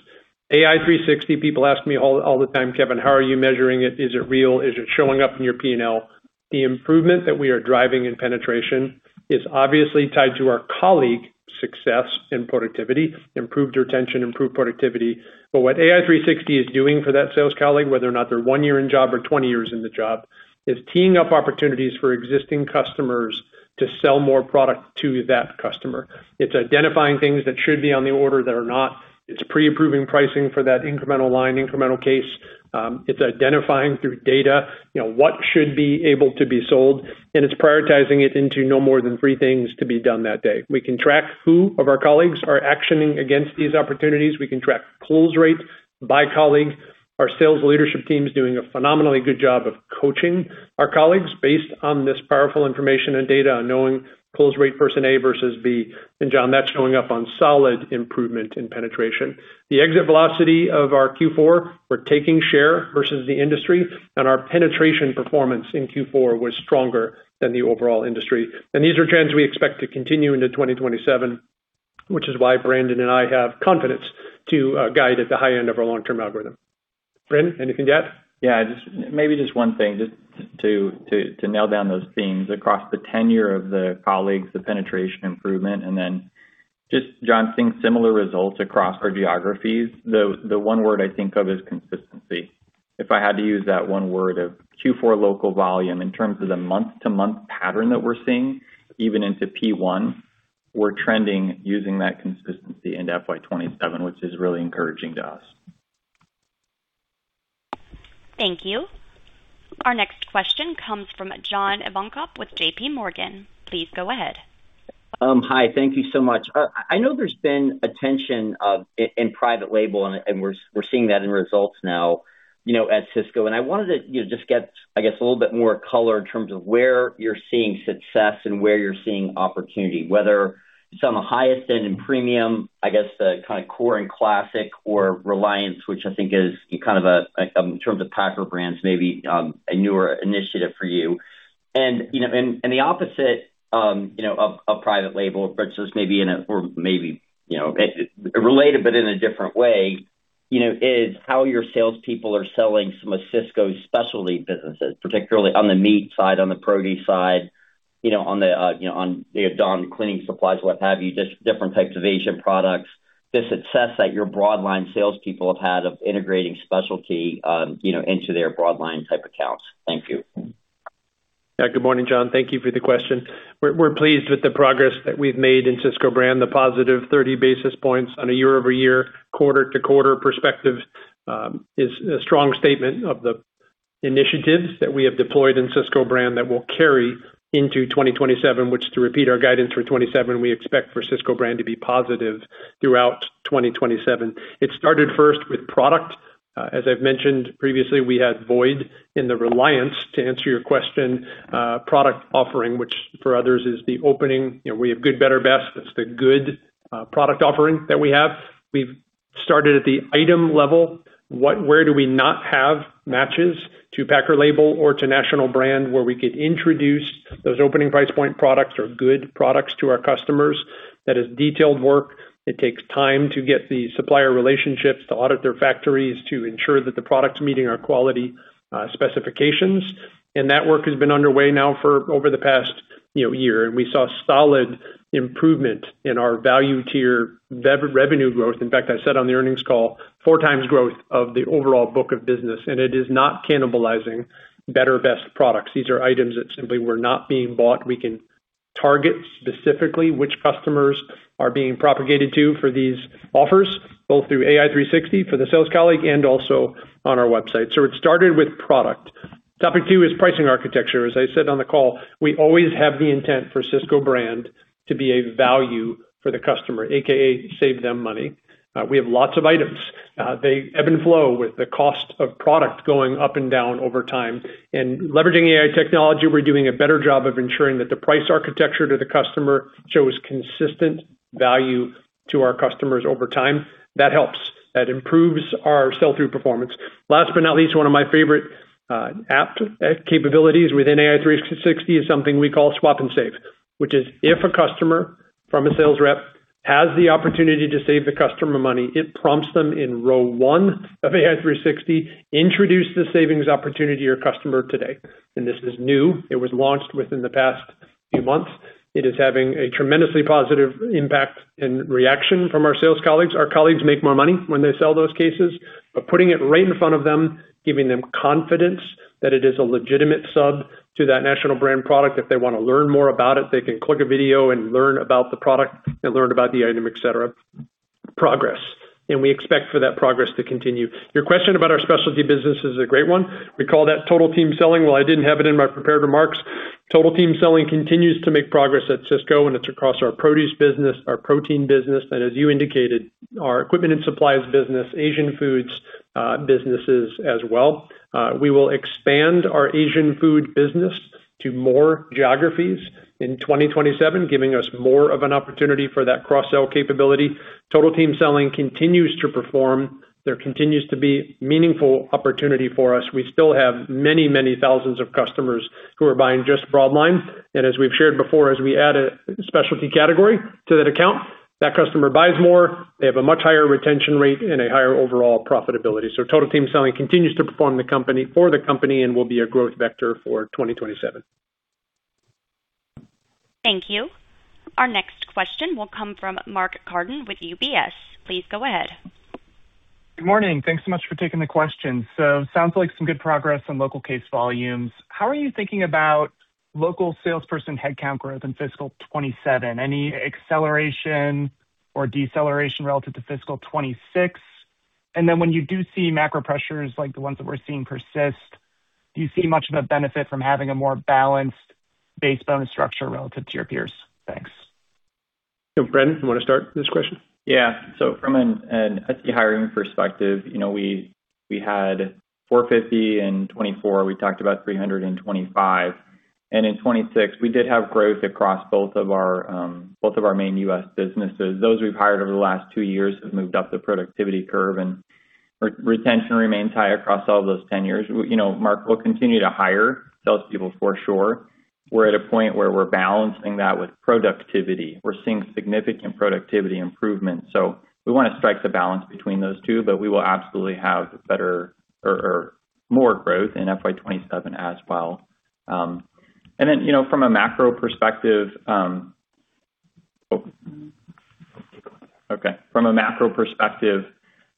AI 360, people ask me all the time, "Kevin, how are you measuring it? Is it real? Is it showing up in your P&L?" The improvement that we are driving in penetration is obviously tied to our colleague success and productivity, improved retention, improved productivity. What AI 360 is doing for that sales colleague, whether or not they're one year in job or 20 years in the job, is teeing up opportunities for existing customers to sell more product to that customer. It's identifying things that should be on the order that are not. It's pre-approving pricing for that incremental line, incremental case. It's identifying through data what should be able to be sold, and it's prioritizing it into no more than three things to be done that day. We can track who of our colleagues are actioning against these opportunities. We can track close rate by colleague. Our sales leadership team is doing a phenomenally good job of coaching our colleagues based on this powerful information and data on knowing close rate person A versus B. John, that's showing up on solid improvement in penetration. The exit velocity of our Q4, we're taking share versus the industry, and our penetration performance in Q4 was stronger than the overall industry. These are trends we expect to continue into 2027, which is why Brandon and I have confidence to guide at the high end of our long-term algorithm. Brandon, anything to add? Maybe just one thing just to nail down those themes across the tenure of the colleagues, the penetration improvement, and then just John seeing similar results across our geographies. The one word I think of is consistency. If I had to use that one word of Q4 local volume in terms of the month-to-month pattern that we're seeing, even into P1, we're trending using that consistency into FY 2027, which is really encouraging to us. Thank you. Our next question comes from John Ivankoe with JPMorgan. Please go ahead. Hi. Thank you so much. I know there's been attention in private label, and we're seeing that in results now at Sysco, and I wanted to just get, I guess, a little bit more color in terms of where you're seeing success and where you're seeing opportunity, whether it's on the highest end in premium, I guess, the kind of core and classic or Reliance, which I think is kind of in terms of packer brands, maybe a newer initiative for you. The opposite of private label, but this may be related but in a different way, is how your salespeople are selling some of Sysco's specialty businesses, particularly on the meat side, on the produce side on the Dawn cleaning supplies, what have you, just different types of Asian products. The success that your broad line salespeople have had of integrating specialty into their broad line type accounts. Thank you. Good morning, John. Thank you for the question. We're pleased with the progress that we've made in Sysco Brand, the positive 30 basis points on a year-over-year, quarter-to-quarter perspective is a strong statement of the initiatives that we have deployed in Sysco Brand that will carry into 2027, which to repeat our guidance for 2027, we expect for Sysco Brand to be positive throughout 2027. It started first with product. As I've mentioned previously, we had void in the Reliance, to answer your question, product offering, which for others is the opening. We have good, better, best. That's the good product offering that we have. We've started at the item level. Where do we not have matches to packer label or to national brand where we could introduce those opening price point products or good products to our customers? That is detailed work. It takes time to get the supplier relationships, to audit their factories, to ensure that the product's meeting our quality specifications. That work has been underway now for over the past year. We saw solid improvement in our value tier revenue growth. In fact, I said on the earnings call, four times growth of the overall book of business, and it is not cannibalizing better, best products. These are items that simply were not being bought. We can target specifically which customers are being propagated to for these offers, both through AI 360 for the sales colleague and also on our website. It started with product. Topic 2 is pricing architecture. As I said on the call, we always have the intent for Sysco Brand to be a value for the customer, AKA save them money. We have lots of items. They ebb and flow with the cost of product going up and down over time. In leveraging AI technology, we're doing a better job of ensuring that the price architecture to the customer shows consistent value to our customers over time. That helps. That improves our sell-through performance. Last but not least, one of my favorite app capabilities within AI 360 is something we call Swap and Save, which is if a customer from a sales rep has the opportunity to save the customer money, it prompts them in row one of AI 360, "Introduce the savings opportunity to your customer today." This is new. It was launched within the past few months. It is having a tremendously positive impact and reaction from our sales colleagues. Our colleagues make more money when they sell those cases. By putting it right in front of them, giving them confidence that it is a legitimate sub to that national brand product. If they want to learn more about it, they can click a video and learn about the product and learn about the item, et cetera. Progress. We expect for that progress to continue. Your question about our specialty business is a great one. We call that total team selling. While I didn't have it in my prepared remarks, total team selling continues to make progress at Sysco, and it's across our produce business, our protein business, and as you indicated, our equipment and supplies business, Asian foods businesses as well. We will expand our Asian food business to more geographies in 2027, giving us more of an opportunity for that cross-sell capability. Total team selling continues to perform. There continues to be meaningful opportunity for us. We still have many thousands of customers who are buying just broad line. As we've shared before, as we add a specialty category to that account, that customer buys more. They have a much higher retention rate and a higher overall profitability. Total team selling continues to perform for the company and will be a growth vector for 2027. Thank you. Our next question will come from Mark Carden with UBS. Please go ahead. Good morning. Thanks so much for taking the question. Sounds like some good progress on local case volumes. How are you thinking about local salesperson headcount growth in FY 2027? Any acceleration or deceleration relative to FY 2026? When you do see macro pressures like the ones that we're seeing persist, do you see much of a benefit from having a more balanced base bonus structure relative to your peers? Thanks. Brandon, you want to start this question? From an hiring perspective, we had 450 in 2024. We talked about 300 in 2025. In 2026, we did have growth across both of our main U.S. businesses. Those we've hired over the last two years have moved up the productivity curve, and retention remains high across all those tenures. Mark, we'll continue to hire sales people for sure. We're at a point where we're balancing that with productivity. We're seeing significant productivity improvement. We want to strike the balance between those two, but we will absolutely have better or more growth in FY 2027 as well. From a macro perspective,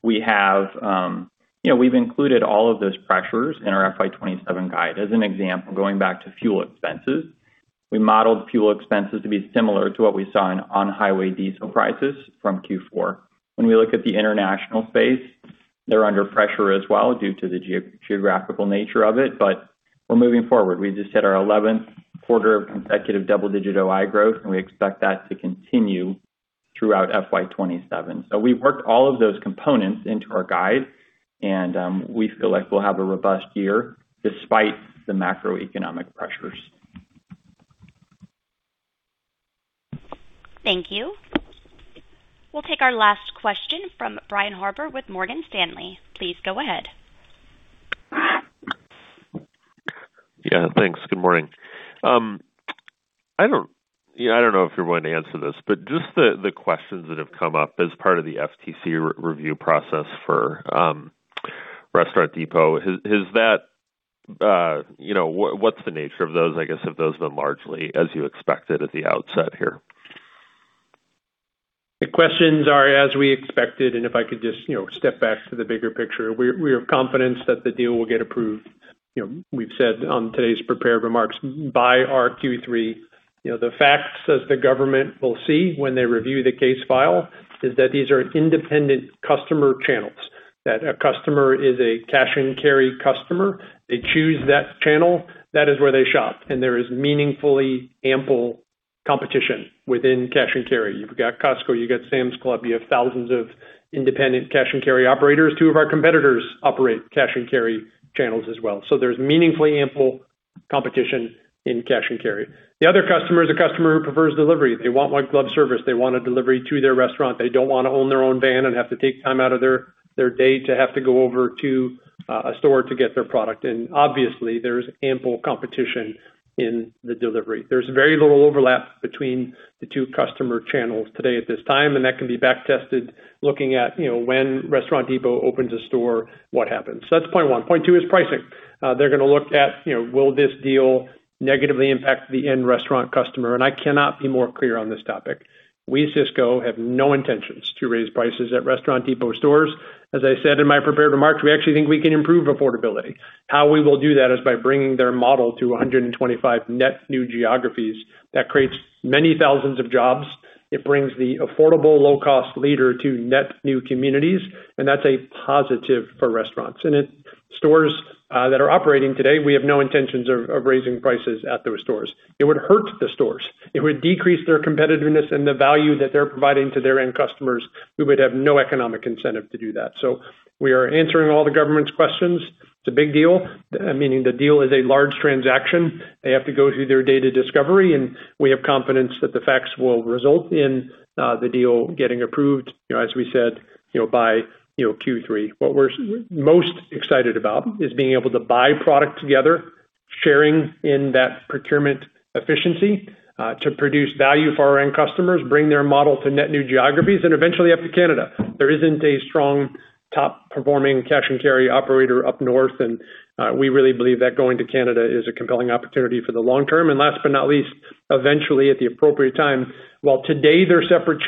we've included all of those pressures in our FY 2027 guide. As an example, going back to fuel expenses, we modeled fuel expenses to be similar to what we saw in on-highway diesel prices from Q4. When we look at the international space, they're under pressure as well due to the geographical nature of it, but we're moving forward. We just hit our 11th quarter of consecutive double-digit OI growth, and we expect that to continue throughout FY 2027. We've worked all of those components into our guide, and we feel like we'll have a robust year despite the macroeconomic pressures. Thank you. We'll take our last question from Brian Harbour with Morgan Stanley. Please go ahead. Yeah. Thanks. Good morning. I don't know if you're going to answer this, but just the questions that have come up as part of the FTC review process for Restaurant Depot. What's the nature of those? I guess have those been largely as you expected at the outset here? The questions are as we expected. If I could just step back to the bigger picture. We are confident that the deal will get approved. We've said on today's prepared remarks by our Q3. The facts as the government will see when they review the case file is that these are independent customer channels. That a customer is a cash and carry customer. They choose that channel. That is where they shop, and there is meaningfully ample competition within cash and carry. You've got Costco, you've got Sam's Club, you have thousands of independent cash and carry operators. Two of our competitors operate cash and carry channels as well. There's meaningfully ample competition in cash and carry. The other customer is a customer who prefers delivery. They want white glove service. They want a delivery to their restaurant. They don't want to own their own van and have to take time out of their day to have to go over to a store to get their product. Obviously, there's ample competition in the delivery. There's very little overlap between the two customer channels today at this time, and that can be back tested looking at when Restaurant Depot opens a store, what happens. That's point one. Point two is pricing. They're going to look at will this deal negatively impact the end restaurant customer? I cannot be more clear on this topic. We at Sysco have no intentions to raise prices at Restaurant Depot stores. As I said in my prepared remarks, we actually think we can improve affordability. How we will do that is by bringing their model to 125 net new geographies. That creates many thousands of jobs. It brings the affordable low-cost leader to net new communities. That's a positive for restaurants. In stores that are operating today, we have no intentions of raising prices at those stores. It would hurt the stores. It would decrease their competitiveness and the value that they're providing to their end customers who would have no economic incentive to do that. We are answering all the government's questions. It's a big deal, meaning the deal is a large transaction. They have to go through their data discovery, and we have confidence that the facts will result in the deal getting approved as we said, by Q3. What we're most excited about is being able to buy product together, sharing in that procurement efficiency to produce value for our end customers, bring their model to net new geographies, and eventually up to Canada. There isn't a strong top performing cash and carry operator up north, and we really believe that going to Canada is a compelling opportunity for the long term. Last but not least, eventually at the appropriate time, while today they're separate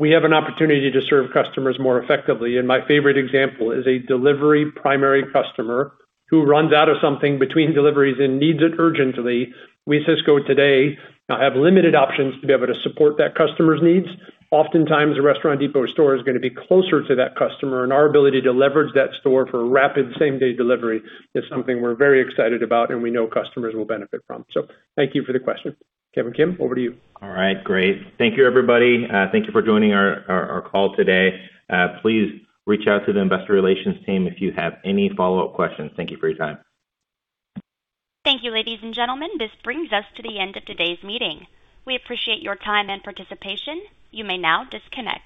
channels, we have an opportunity to serve customers more effectively. My favorite example is a delivery primary customer who runs out of something between deliveries and needs it urgently. We at Sysco today have limited options to be able to support that customer's needs. Oftentimes, a Restaurant Depot store is going to be closer to that customer, and our ability to leverage that store for rapid same-day delivery is something we're very excited about and we know customers will benefit from. Thank you for the question. Kevin Kim, over to you. All right, great. Thank you everybody. Thank you for joining our call today. Please reach out to the investor relations team if you have any follow-up questions. Thank you for your time. Thank you, ladies and gentlemen. This brings us to the end of today's meeting. We appreciate your time and participation. You may now disconnect.